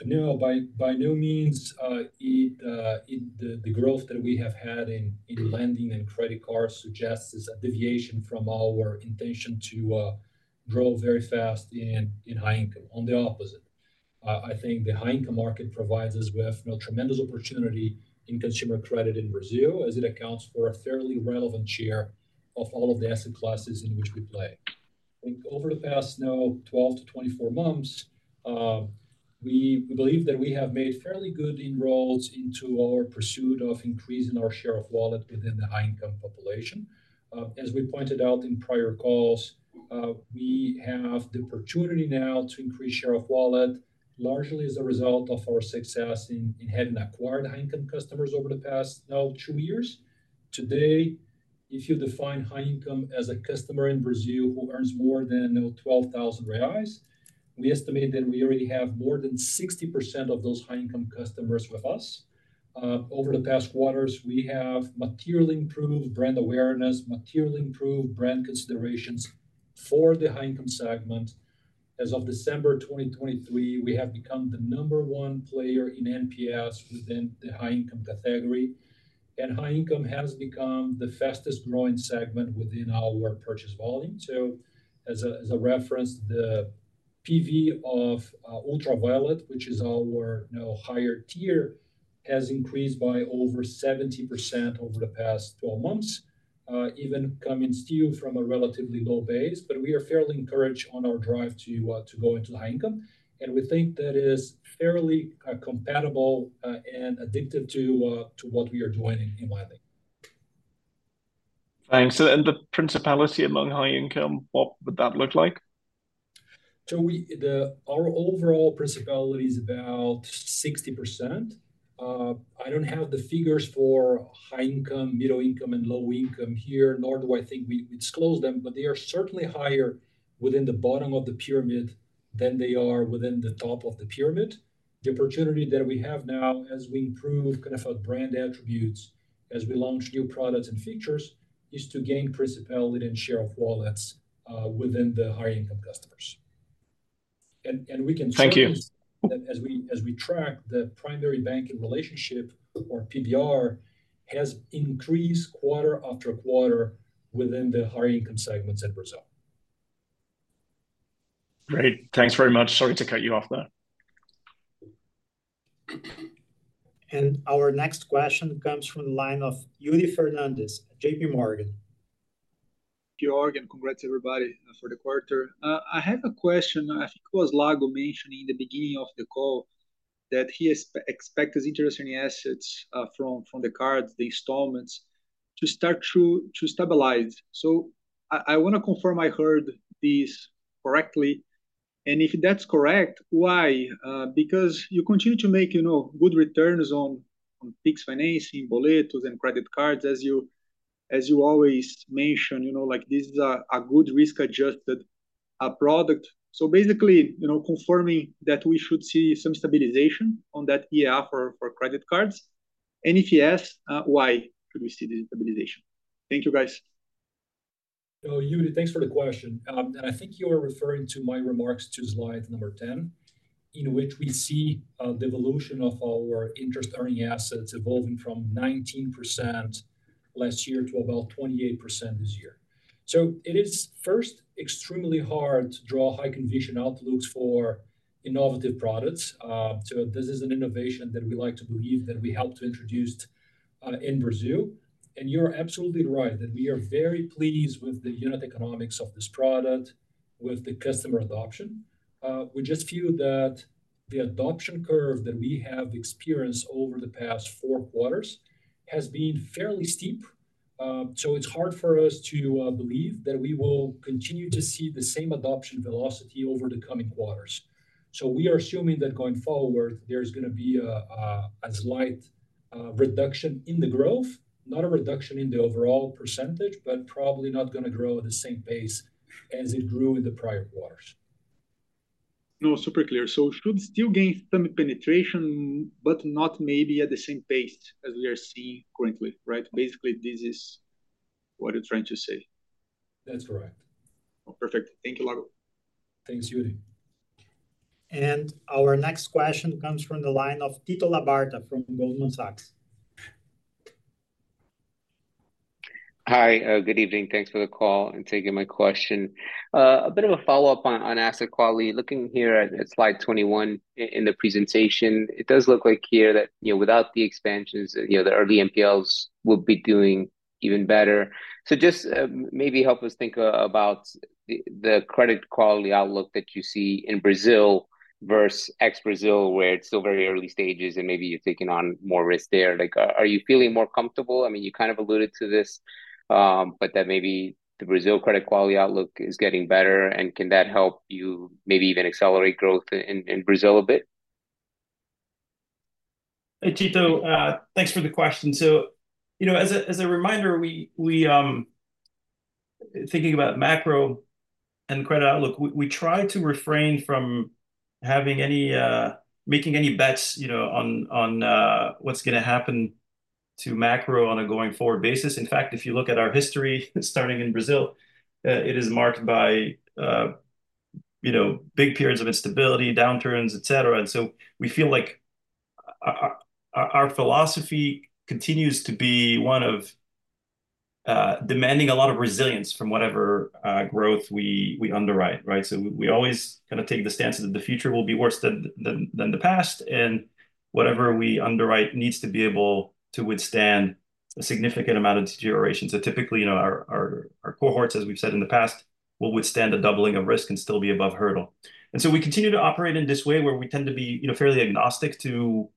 you know, by no means, the growth that we have had in lending and credit cards suggests this deviation from our intention to grow very fast in high income. On the opposite. I think the high-income market provides us with, you know, tremendous opportunity in consumer credit in Brazil, as it accounts for a fairly relevant share of all of the asset classes in which we play. I think over the past, now, 12-24 months, we believe that we have made fairly good inroads into our pursuit of increasing our share of wallet within the high-income population. As we pointed out in prior calls, we have the opportunity now to increase share of wallet, largely as a result of our success in having acquired high-income customers over the past 2 years. Today, if you define high income as a customer in Brazil who earns more than, you know, 12,000 reais, we estimate that we already have more than 60% of those high-income customers with us. Over the past quarters, we have materially improved brand awareness, materially improved brand considerations for the high-income segment. As of December 2023, we have become the number one player in NPS within the high-income category, and high income has become the fastest growing segment within our purchase volume. So as a reference, the PV of Ultravioleta, which is our, you know, higher Tier, has increased by over 70% over the past 12 months, even coming still from a relatively low base. But we are fairly encouraged on our drive to go into high income, and we think that is fairly compatible and addictive to what we are doing in Nubank. Thanks. So then the principality among high income, what would that look like? Our overall principality is about 60%. I don't have the figures for high income, middle income, and low income here, nor do I think we disclose them, but they are certainly higher within the bottom of the pyramid than they are within the top of the pyramid. The opportunity that we have now, as we improve kind of our brand attributes, as we launch new products and features, is to gain principality and share of wallets within the high-income customers. And, and we can- Thank you... That as we track the primary banking relationship, or PBR, has increased quarter after quarter within the higher income segments in Brazil. Great! Thanks very much. Sorry to cut you off there. Our next question comes from the line of Yuri Fernandes, J.P. Morgan. Yuri, and congrats everybody for the quarter. I have a question. I think it was Lago mentioning in the beginning of the call that he expects his interest in assets from the cards, the installments, to start to stabilize. So I wanna confirm I heard this correctly, and if that's correct, why? Because you continue to make, you know, good returns on Pix financing, boletos, and credit cards, as you always mention, you know, like, this is a good risk-adjusted product. So basically, you know, confirming that we should see some stabilization on that EA for credit cards. And if yes, why should we see this stabilization? Thank you, guys. So Yuri, thanks for the question. And I think you are referring to my remarks to slide number 10, in which we see the evolution of our interest-earning assets evolving from 19% last year to about 28% this year. So it is first extremely hard to draw high conviction outlooks for innovative products. So this is an innovation that we like to believe that we helped to introduce in Brazil. And you're absolutely right, that we are very pleased with the unit economics of this product, with the customer adoption. We just feel that the adoption curve that we have experienced over the past four quarters has been fairly steep. So it's hard for us to believe that we will continue to see the same adoption velocity over the coming quarters. We are assuming that going forward, there's gonna be a slight reduction in the growth, not a reduction in the overall percentage, but probably not gonna grow at the same pace as it grew in the prior quarters. No, super clear. So should still gain some penetration, but not maybe at the same pace as we are seeing currently, right? Basically, this is what you're trying to say. That's correct. Oh, perfect. Thank you, Lago. Thanks, Yuri. Our next question comes from the line of Tito Labarta from Goldman Sachs. Hi, good evening. Thanks for the call and taking my question. A bit of a follow-up on asset quality. Looking here at slide 21 in the presentation, it does look like here that, you know, without the expansions, you know, the early NPLs will be doing even better. So just maybe help us think about the credit quality outlook that you see in Brazil versus ex-Brazil, where it's still very early stages and maybe you're taking on more risk there. Like, are you feeling more comfortable? I mean, you kind of alluded to this, but that maybe the Brazil credit quality outlook is getting better, and can that help you maybe even accelerate growth in Brazil a bit? Hey, Tito, thanks for the question. So, you know, as a reminder, thinking about macro and credit outlook, we try to refrain from having any making any bets, you know, on what's gonna happen to macro on a going-forward basis. In fact, if you look at our history, starting in Brazil, it is marked by, you know, big periods of instability, downturns, et cetera. And so we feel like our philosophy continues to be one of-... demanding a lot of resilience from whatever growth we underwrite, right? So we always kinda take the stance that the future will be worse than the past, and whatever we underwrite needs to be able to withstand a significant amount of deterioration. So typically, you know, our cohorts, as we've said in the past, will withstand a doubling of risk and still be above hurdle. And so we continue to operate in this way, where we tend to be, you know, fairly agnostic to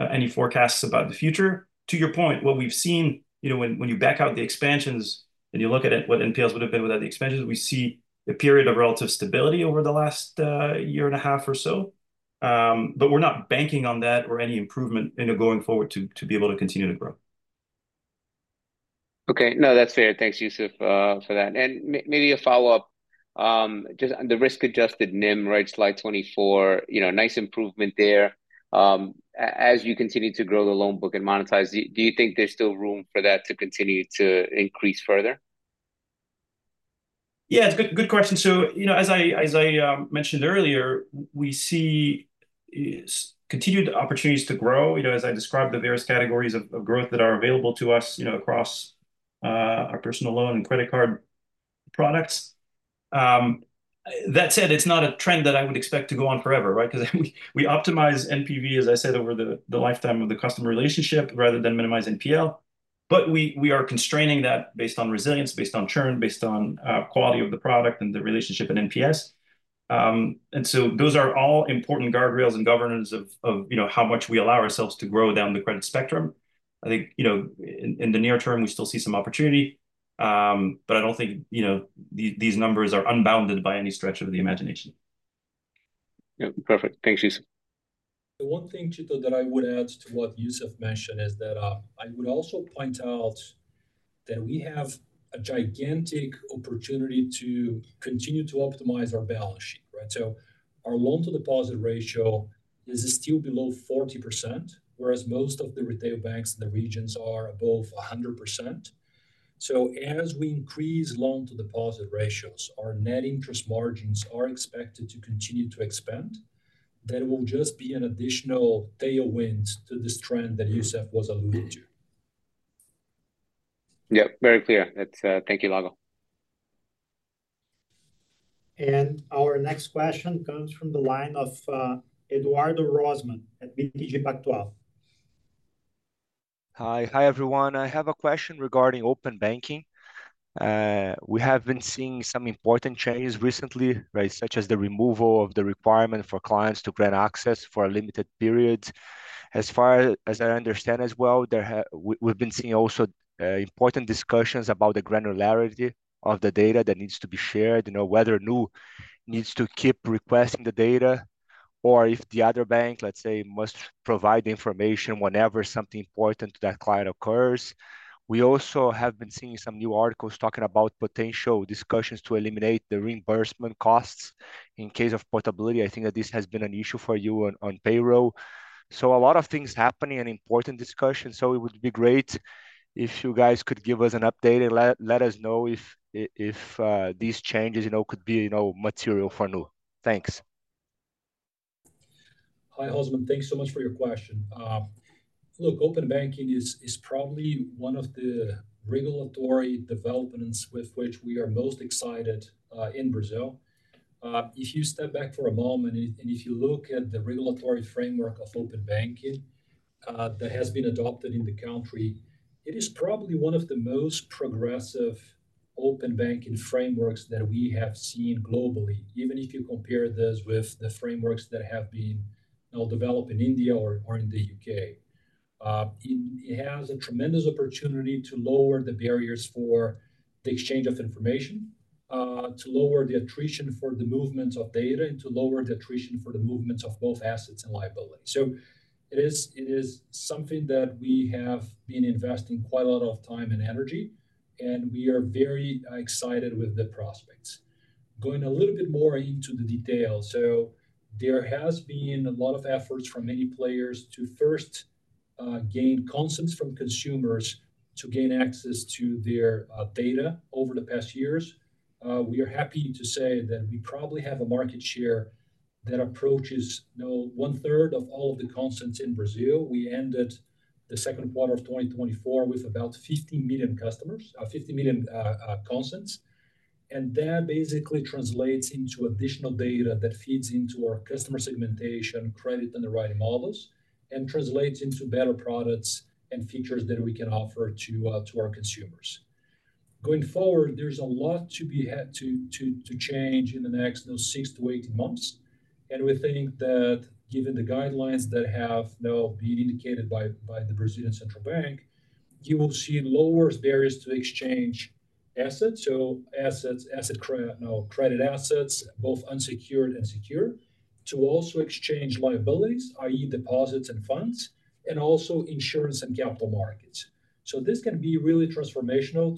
any forecasts about the future. To your point, what we've seen, you know, when you back out the expansions and you look at it, what NPLs would've been without the expansions, we see a period of relative stability over the last year and a half or so. But we're not banking on that or any improvement, you know, going forward to be able to continue to grow. Okay. No, that's fair. Thanks, Youssef, for that. And maybe a follow-up, just on the risk-adjusted NIM, right, slide 24, you know, nice improvement there. As you continue to grow the loan book and monetize, do you, do you think there's still room for that to continue to increase further? Yeah, it's a good, good question. So, you know, as I mentioned earlier, we see continued opportunities to grow, you know, as I described, the various categories of growth that are available to us, you know, across our personal loan and credit card products. That said, it's not a trend that I would expect to go on forever, right? 'Cause we optimize NPV, as I said, over the lifetime of the customer relationship, rather than minimize NPL. But we are constraining that based on resilience, based on churn, based on quality of the product and the relationship in NPS. And so those are all important guardrails and governance of, you know, how much we allow ourselves to grow down the credit spectrum. I think, you know, in the near term, we still see some opportunity, but I don't think, you know, these numbers are unbounded by any stretch of the imagination. Yeah, perfect. Thanks, Youssef. The one thing, Tito, that I would add to what Youssef mentioned is that, I would also point out that we have a gigantic opportunity to continue to optimize our balance sheet, right? So our loan-to-deposit ratio is still below 40%, whereas most of the retail banks in the regions are above 100%. So as we increase loan-to-deposit ratios, our net interest margins are expected to continue to expand. That will just be an additional tailwind to this trend that Youssef was alluding to. Yeah, very clear. That's... Thank you, Lago. Our next question comes from the line of Eduardo Rosman at BTG Pactual. Hi. Hi, everyone. I have a question regarding open banking. We have been seeing some important changes recently, right? Such as the removal of the requirement for clients to grant access for a limited period. As far as I understand as well, we've been seeing also important discussions about the granularity of the data that needs to be shared, you know, whether Nu needs to keep requesting the data, or if the other bank, let's say, must provide the information whenever something important to that client occurs. We also have been seeing some new articles talking about potential discussions to eliminate the reimbursement costs in case of portability. I think that this has been an issue for you on payroll. So a lot of things happening and important discussions, so it would be great if you guys could give us an update and let us know if these changes, you know, could be, you know, material for Nu. Thanks. Hi, Rosman. Thanks so much for your question. Look, open banking is probably one of the regulatory developments with which we are most excited in Brazil. If you step back for a moment, and if you look at the regulatory framework of open banking that has been adopted in the country, it is probably one of the most progressive open banking frameworks that we have seen globally, even if you compare this with the frameworks that have been, you know, developed in India or in the U.K. It has a tremendous opportunity to lower the barriers for the exchange of information, to lower the attrition for the movement of data, and to lower the attrition for the movement of both assets and liabilities. So it is something that we have been investing quite a lot of time and energy, and we are very excited with the prospects. Going a little bit more into the details, so there has been a lot of efforts from many players to first gain consents from consumers to gain access to their data over the past years. We are happy to say that we probably have a market share that approaches, you know, one-third of all of the consents in Brazil. We ended the second quarter of 2024 with about 50 million customers... 50 million consents. And that basically translates into additional data that feeds into our customer segmentation, credit, and the right models, and translates into better products and features that we can offer to our consumers. Going forward, there's a lot to be had to change in the next, you know, 6-18 months. We think that given the guidelines that have now been indicated by the Banco Central do Brasil, you will see lower barriers to exchange assets. Assets, you know, credit assets, both unsecured and secured, to also exchange liabilities, i.e., deposits and funds, and also insurance and capital markets. This can be really transformational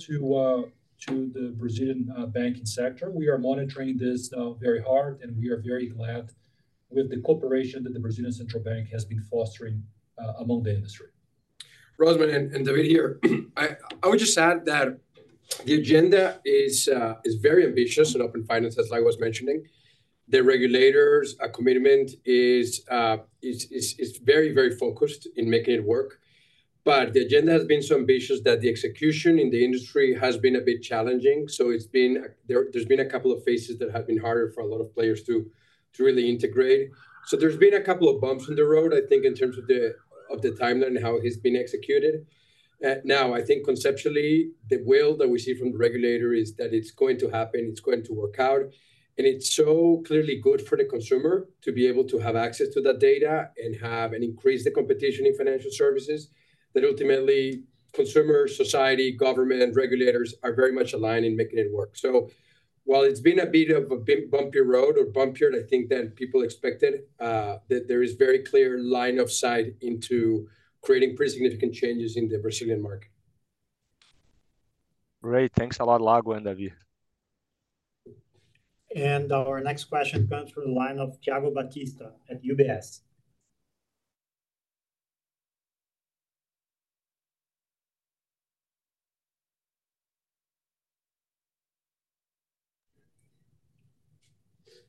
to the Brazilian banking sector. We are monitoring this very hard, and we are very glad with the cooperation that the Banco Central do Brasil has been fostering among the industry. Rosman and David here, I would just add that-... The agenda is very ambitious in open finance, as I was mentioning. The regulators, our commitment is very, very focused in making it work. But the agenda has been so ambitious that the execution in the industry has been a bit challenging. So it's been. There's been a couple of phases that have been harder for a lot of players to really integrate. So there's been a couple of bumps in the road, I think, in terms of the timeline and how it's been executed. Now, I think conceptually, the will that we see from the regulator is that it's going to happen, it's going to work out, and it's so clearly good for the consumer to be able to have access to that data and have, and increase the competition in financial services, that ultimately, consumer, society, government, regulators are very much aligned in making it work. So while it's been a bit of a bumpy road or bumpier, I think, than people expected, that there is very clear line of sight into creating pretty significant changes in the Brazilian market. Great. Thanks a lot, Lago and David. Our next question comes from the line of Thiago Batista at UBS.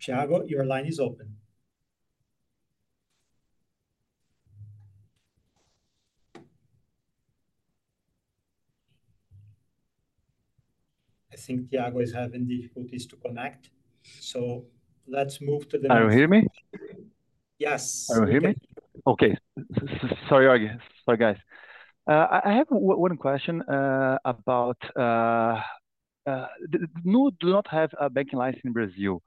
Thiago, your line is open. I think Thiago is having difficulties to connect, so let's move to the next- Can you hear me? Yes. Can you hear me? Okay. Sorry, again. Sorry, guys. I have one question about Nu do not have a banking license in Brazil.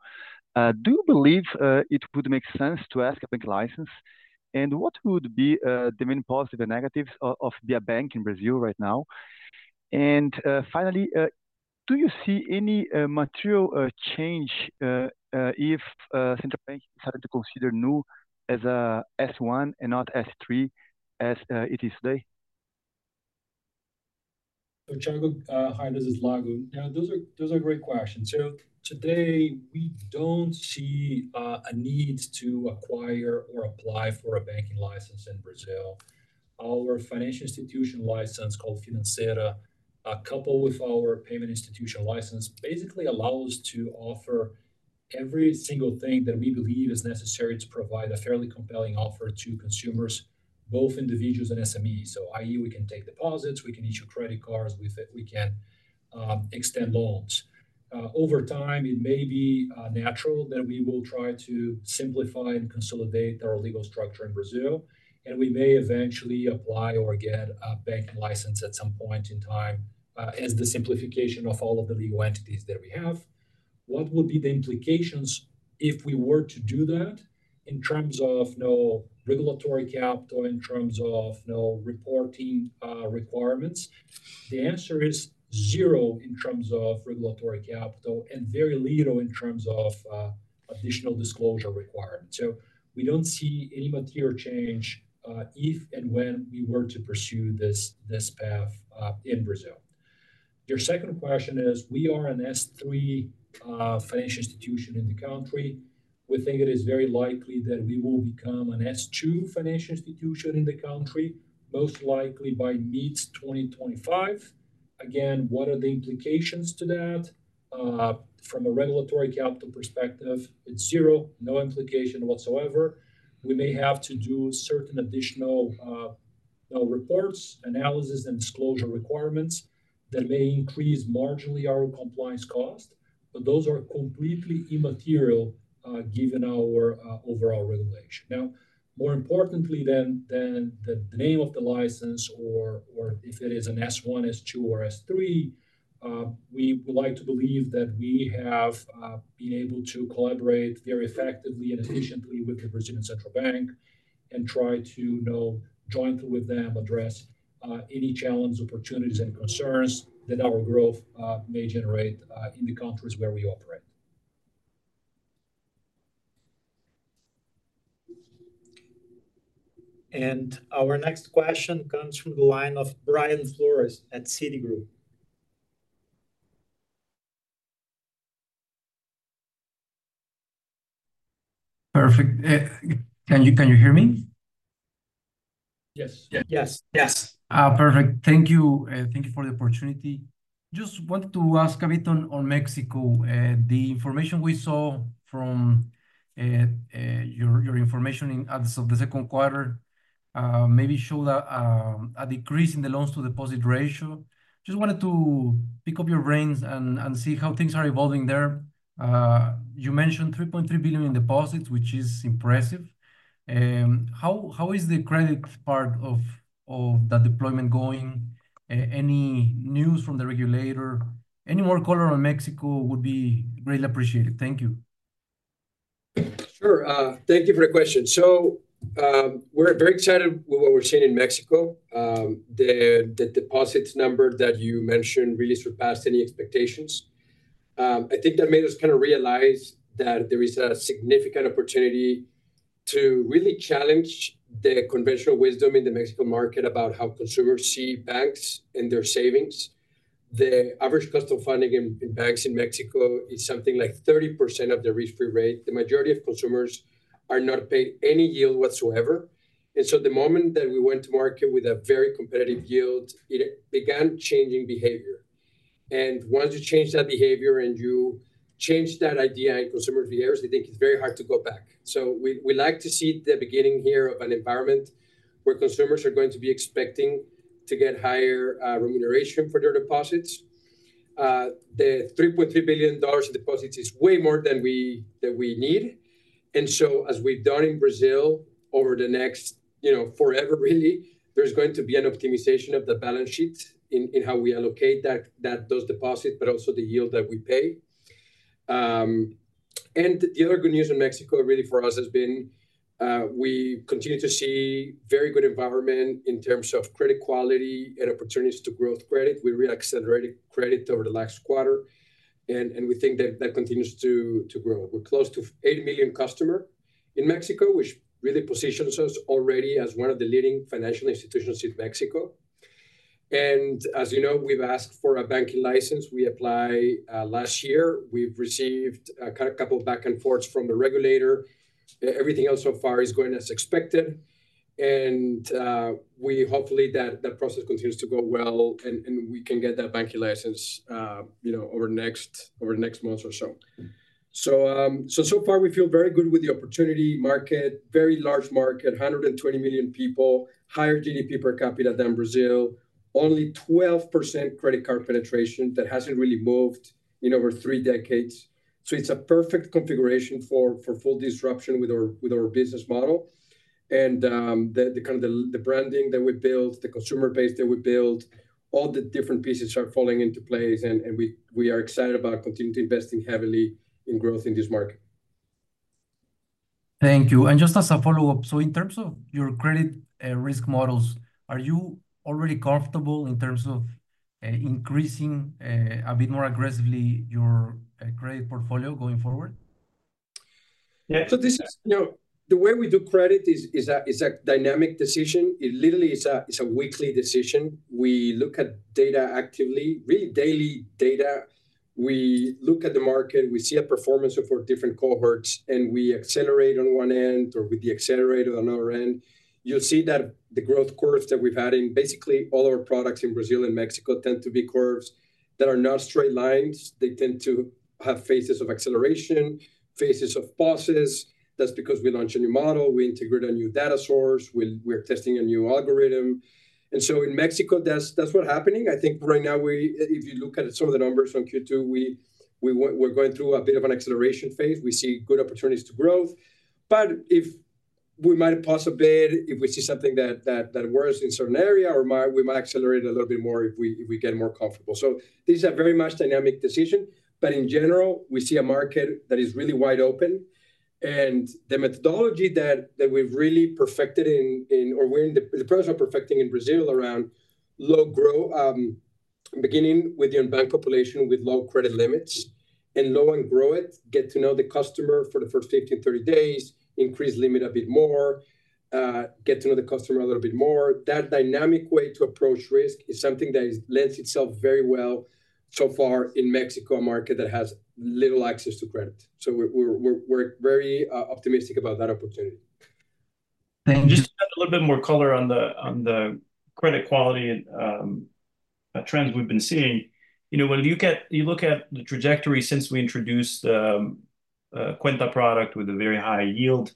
Do you believe it would make sense to ask a banking license? And what would be the main positive and negatives of be a bank in Brazil right now? And finally, do you see any material change if Central Bank decided to consider Nu as a S1 and not S3 as it is today? So Thiago, hi, this is Lago. Yeah, those are, those are great questions. So today, we don't see a need to acquire or apply for a banking license in Brazil. Our financial institution license, called Financeira, coupled with our payment institution license, basically allows us to offer every single thing that we believe is necessary to provide a fairly compelling offer to consumers, both individuals and SMEs. So i.e., we can take deposits, we can issue credit cards, we can extend loans. Over time, it may be natural that we will try to simplify and consolidate our legal structure in Brazil, and we may eventually apply or get a banking license at some point in time, as the simplification of all of the legal entities that we have. What would be the implications if we were to do that in terms of no regulatory capital, in terms of no reporting requirements? The answer is zero in terms of regulatory capital, and very little in terms of additional disclosure requirements. So we don't see any material change, if and when we were to pursue this, this path, in Brazil. Your second question is, we are an S3 financial institution in the country. We think it is very likely that we will become an S2 financial institution in the country, most likely by mid 2025. Again, what are the implications to that? From a regulatory capital perspective, it's zero, no implication whatsoever. We may have to do certain additional reports, analysis, and disclosure requirements that may increase marginally our compliance cost, but those are completely immaterial, given our overall regulation. Now, more importantly than the name of the license or if it is an S1, S2, or S3, we would like to believe that we have been able to collaborate very effectively and efficiently with the Brazilian Central Bank and try to, you know, jointly with them, address any challenge, opportunities, and concerns that our growth may generate in the countries where we operate. Our next question comes from the line of Brian Flores at Citigroup. Perfect. Can you, can you hear me? Yes. Yes. Yes. Perfect. Thank you, and thank you for the opportunity. Just wanted to ask a bit on, on Mexico. The information we saw from, your, your information in as of the second quarter, maybe show that, a decrease in the loan-to-deposit ratio. Just wanted to pick up your brains and, and see how things are evolving there. You mentioned $3.3 billion in deposits, which is impressive. How, how is the credit part of, of that deployment going? Any news from the regulator? Any more color on Mexico would be greatly appreciated. Thank you. Sure. Thank you for the question. So, we're very excited with what we're seeing in Mexico. The deposits number that you mentioned really surpassed any expectations. I think that made us kind of realize that there is a significant opportunity to really challenge the conventional wisdom in the Mexico market about how consumers see banks and their savings. The average cost of funding in banks in Mexico is something like 30% of the risk-free rate. The majority of consumers are not paid any yield whatsoever, and so the moment that we went to market with a very competitive yield, it began changing behavior.... and once you change that behavior and you change that idea in consumer's views, I think it's very hard to go back. So we, we like to see the beginning here of an environment where consumers are going to be expecting to get higher remuneration for their deposits. The $3.3 billion in deposits is way more than we, that we need, and so as we've done in Brazil over the next, you know, forever really, there's going to be an optimization of the balance sheet in, in how we allocate that, those deposits, but also the yield that we pay. And the other good news in Mexico really for us has been, we continue to see very good environment in terms of credit quality and opportunities to growth credit. We reaccelerated credit over the last quarter, and we think that that continues to grow. We're close to 8 million customer in Mexico, which really positions us already as one of the leading financial institutions in Mexico. And as you know, we've asked for a banking license. We apply last year. We've received a couple of back and forths from the regulator. Everything else so far is going as expected, and we hopefully that process continues to go well, and we can get that banking license, you know, over the next months or so. So, so far we feel very good with the opportunity market, very large market, 120 million people, higher GDP per capita than Brazil, only 12% credit card penetration that hasn't really moved in over three decades. So it's a perfect configuration for full disruption with our business model. And the kind of branding that we built, the consumer base that we built, all the different pieces are falling into place, and we are excited about continuing to investing heavily in growth in this market. Thank you. And just as a follow-up, so in terms of your credit risk models, are you already comfortable in terms of increasing a bit more aggressively your credit portfolio going forward? Yeah, so this is. You know, the way we do credit is a dynamic decision. It literally is a weekly decision. We look at data actively, really daily data. We look at the market, we see a performance of our different cohorts, and we accelerate on one end, or we decelerate on another end. You'll see that the growth curves that we've had in basically all our products in Brazil and Mexico tend to be curves that are not straight lines. They tend to have phases of acceleration, phases of pauses. That's because we launch a new model, we integrate a new data source, we're testing a new algorithm. And so in Mexico, that's what's happening. I think right now we, if you look at some of the numbers from Q2, we, we're going through a bit of an acceleration phase. We see good opportunities to growth. But if we might pause a bit, if we see something that works in certain area, or we might accelerate a little bit more if we get more comfortable. This is a very much dynamic decision, but in general, we see a market that is really wide open, and the methodology that we've really perfected in, or we're in the process of perfecting in Brazil around Low & Grow, beginning with the unbanked population with low credit limits, and low and grow it, get to know the customer for the first 15, 30 days, increase limit a bit more, get to know the customer a little bit more. That dynamic way to approach risk is something that lends itself very well so far in Mexico, a market that has little access to credit. We're very optimistic about that opportunity. Thank you. Just to add a little bit more color on the credit quality and trends we've been seeing. You know, when you look at the trajectory since we introduced the Cuenta product with a very high yield,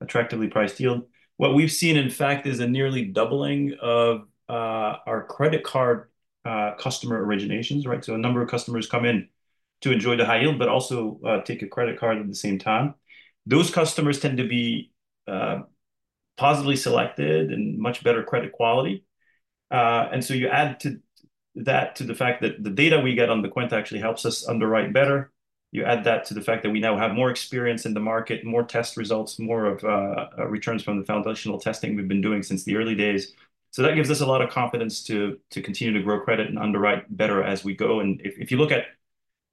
attractively priced yield, what we've seen, in fact, is a nearly doubling of our credit card customer originations, right? So a number of customers come in to enjoy the high yield, but also take a credit card at the same time. Those customers tend to be positively selected and much better credit quality. And so you add to that, to the fact that the data we get on the Cuenta actually helps us underwrite better, you add that to the fact that we now have more experience in the market, more test results, more of returns from the foundational testing we've been doing since the early days. So that gives us a lot of confidence to continue to grow credit and underwrite better as we go. And if you look at,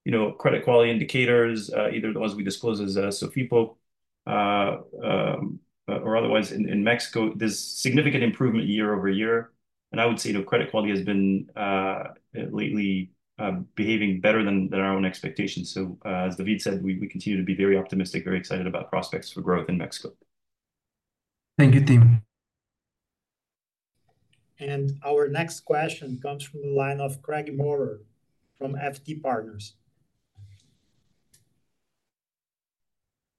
you know, credit quality indicators, either the ones we disclose as Sofipo, or otherwise, in Mexico, there's significant improvement year-over-year. And I would say, you know, credit quality has been, lately, behaving better than our own expectations. So, as David said, we continue to be very optimistic, very excited about prospects for growth in Mexico. Thank you, team. Our next question comes from the line of Craig Maurer from FT Partners.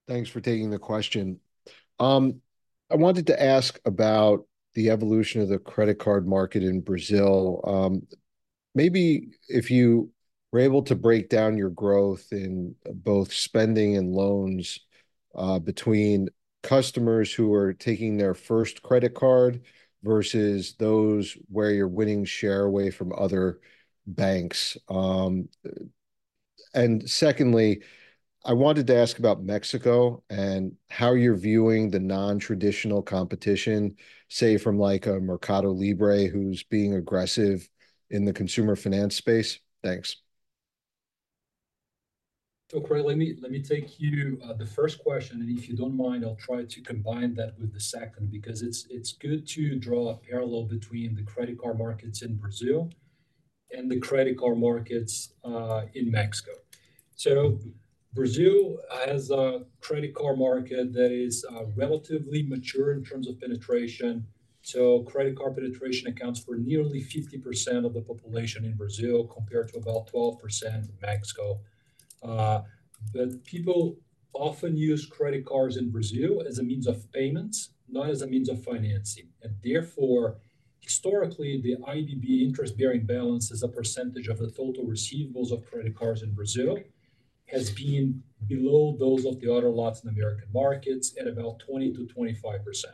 Thanks for taking the question. I wanted to ask about the evolution of the credit card market in Brazil. Maybe if you were able to break down your growth in both spending and loans, between customers who are taking their first credit card versus those where you're winning share away from other banks. And secondly, I wanted to ask about Mexico, and how you're viewing the non-traditional competition, say, from, like, a Mercado Libre, who's being aggressive in the consumer finance space. Thanks. So Craig, let me take you the first question, and if you don't mind, I'll try to combine that with the second, because it's good to draw a parallel between the credit card markets in Brazil and the credit card markets in Mexico.... So Brazil has a credit card market that is relatively mature in terms of penetration. Credit card penetration accounts for nearly 50% of the population in Brazil, compared to about 12% in Mexico. But people often use credit cards in Brazil as a means of payments, not as a means of financing. Therefore, historically, the IDB interest-bearing balance as a percentage of the total receivables of credit cards in Brazil has been below those of the other Latin American markets at about 20%-25%.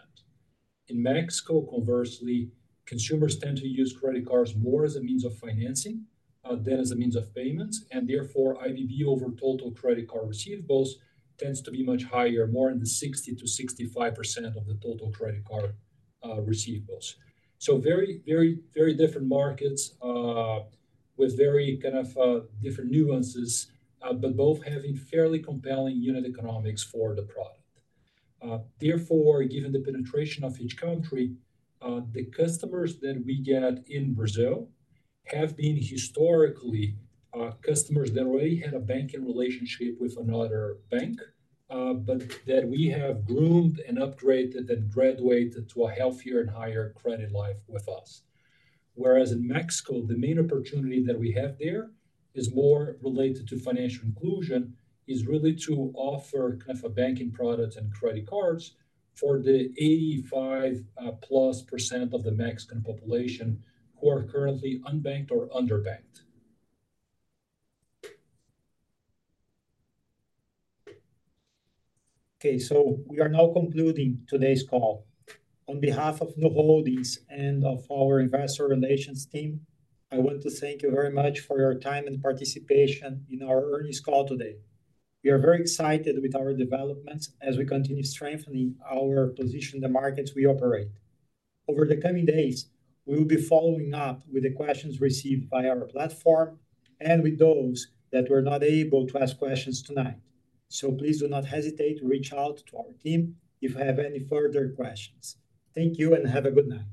In Mexico, conversely, consumers tend to use credit cards more as a means of financing than as a means of payments, and therefore, IDB over total credit card receivables tends to be much higher, more in the 60%-65% of the total credit card receivables. So very, very, very different markets, with very kind of, different nuances, but both having fairly compelling unit economics for the product. Therefore, given the penetration of each country, the customers that we get in Brazil have been historically, customers that already had a banking relationship with another bank, but that we have groomed and upgraded and graduated to a healthier and higher credit life with us. Whereas in Mexico, the main opportunity that we have there is more related to financial inclusion, is really to offer kind of a banking product and credit cards for the 85% of the Mexican population who are currently unbanked or underbanked. Okay, so we are now concluding today's call. On behalf of Nu Holdings and of our investor relations team, I want to thank you very much for your time and participation in our earnings call today. We are very excited with our developments as we continue strengthening our position in the markets we operate. Over the coming days, we will be following up with the questions received via our platform and with those that were not able to ask questions tonight. So please do not hesitate to reach out to our team if you have any further questions. Thank you, and have a good night.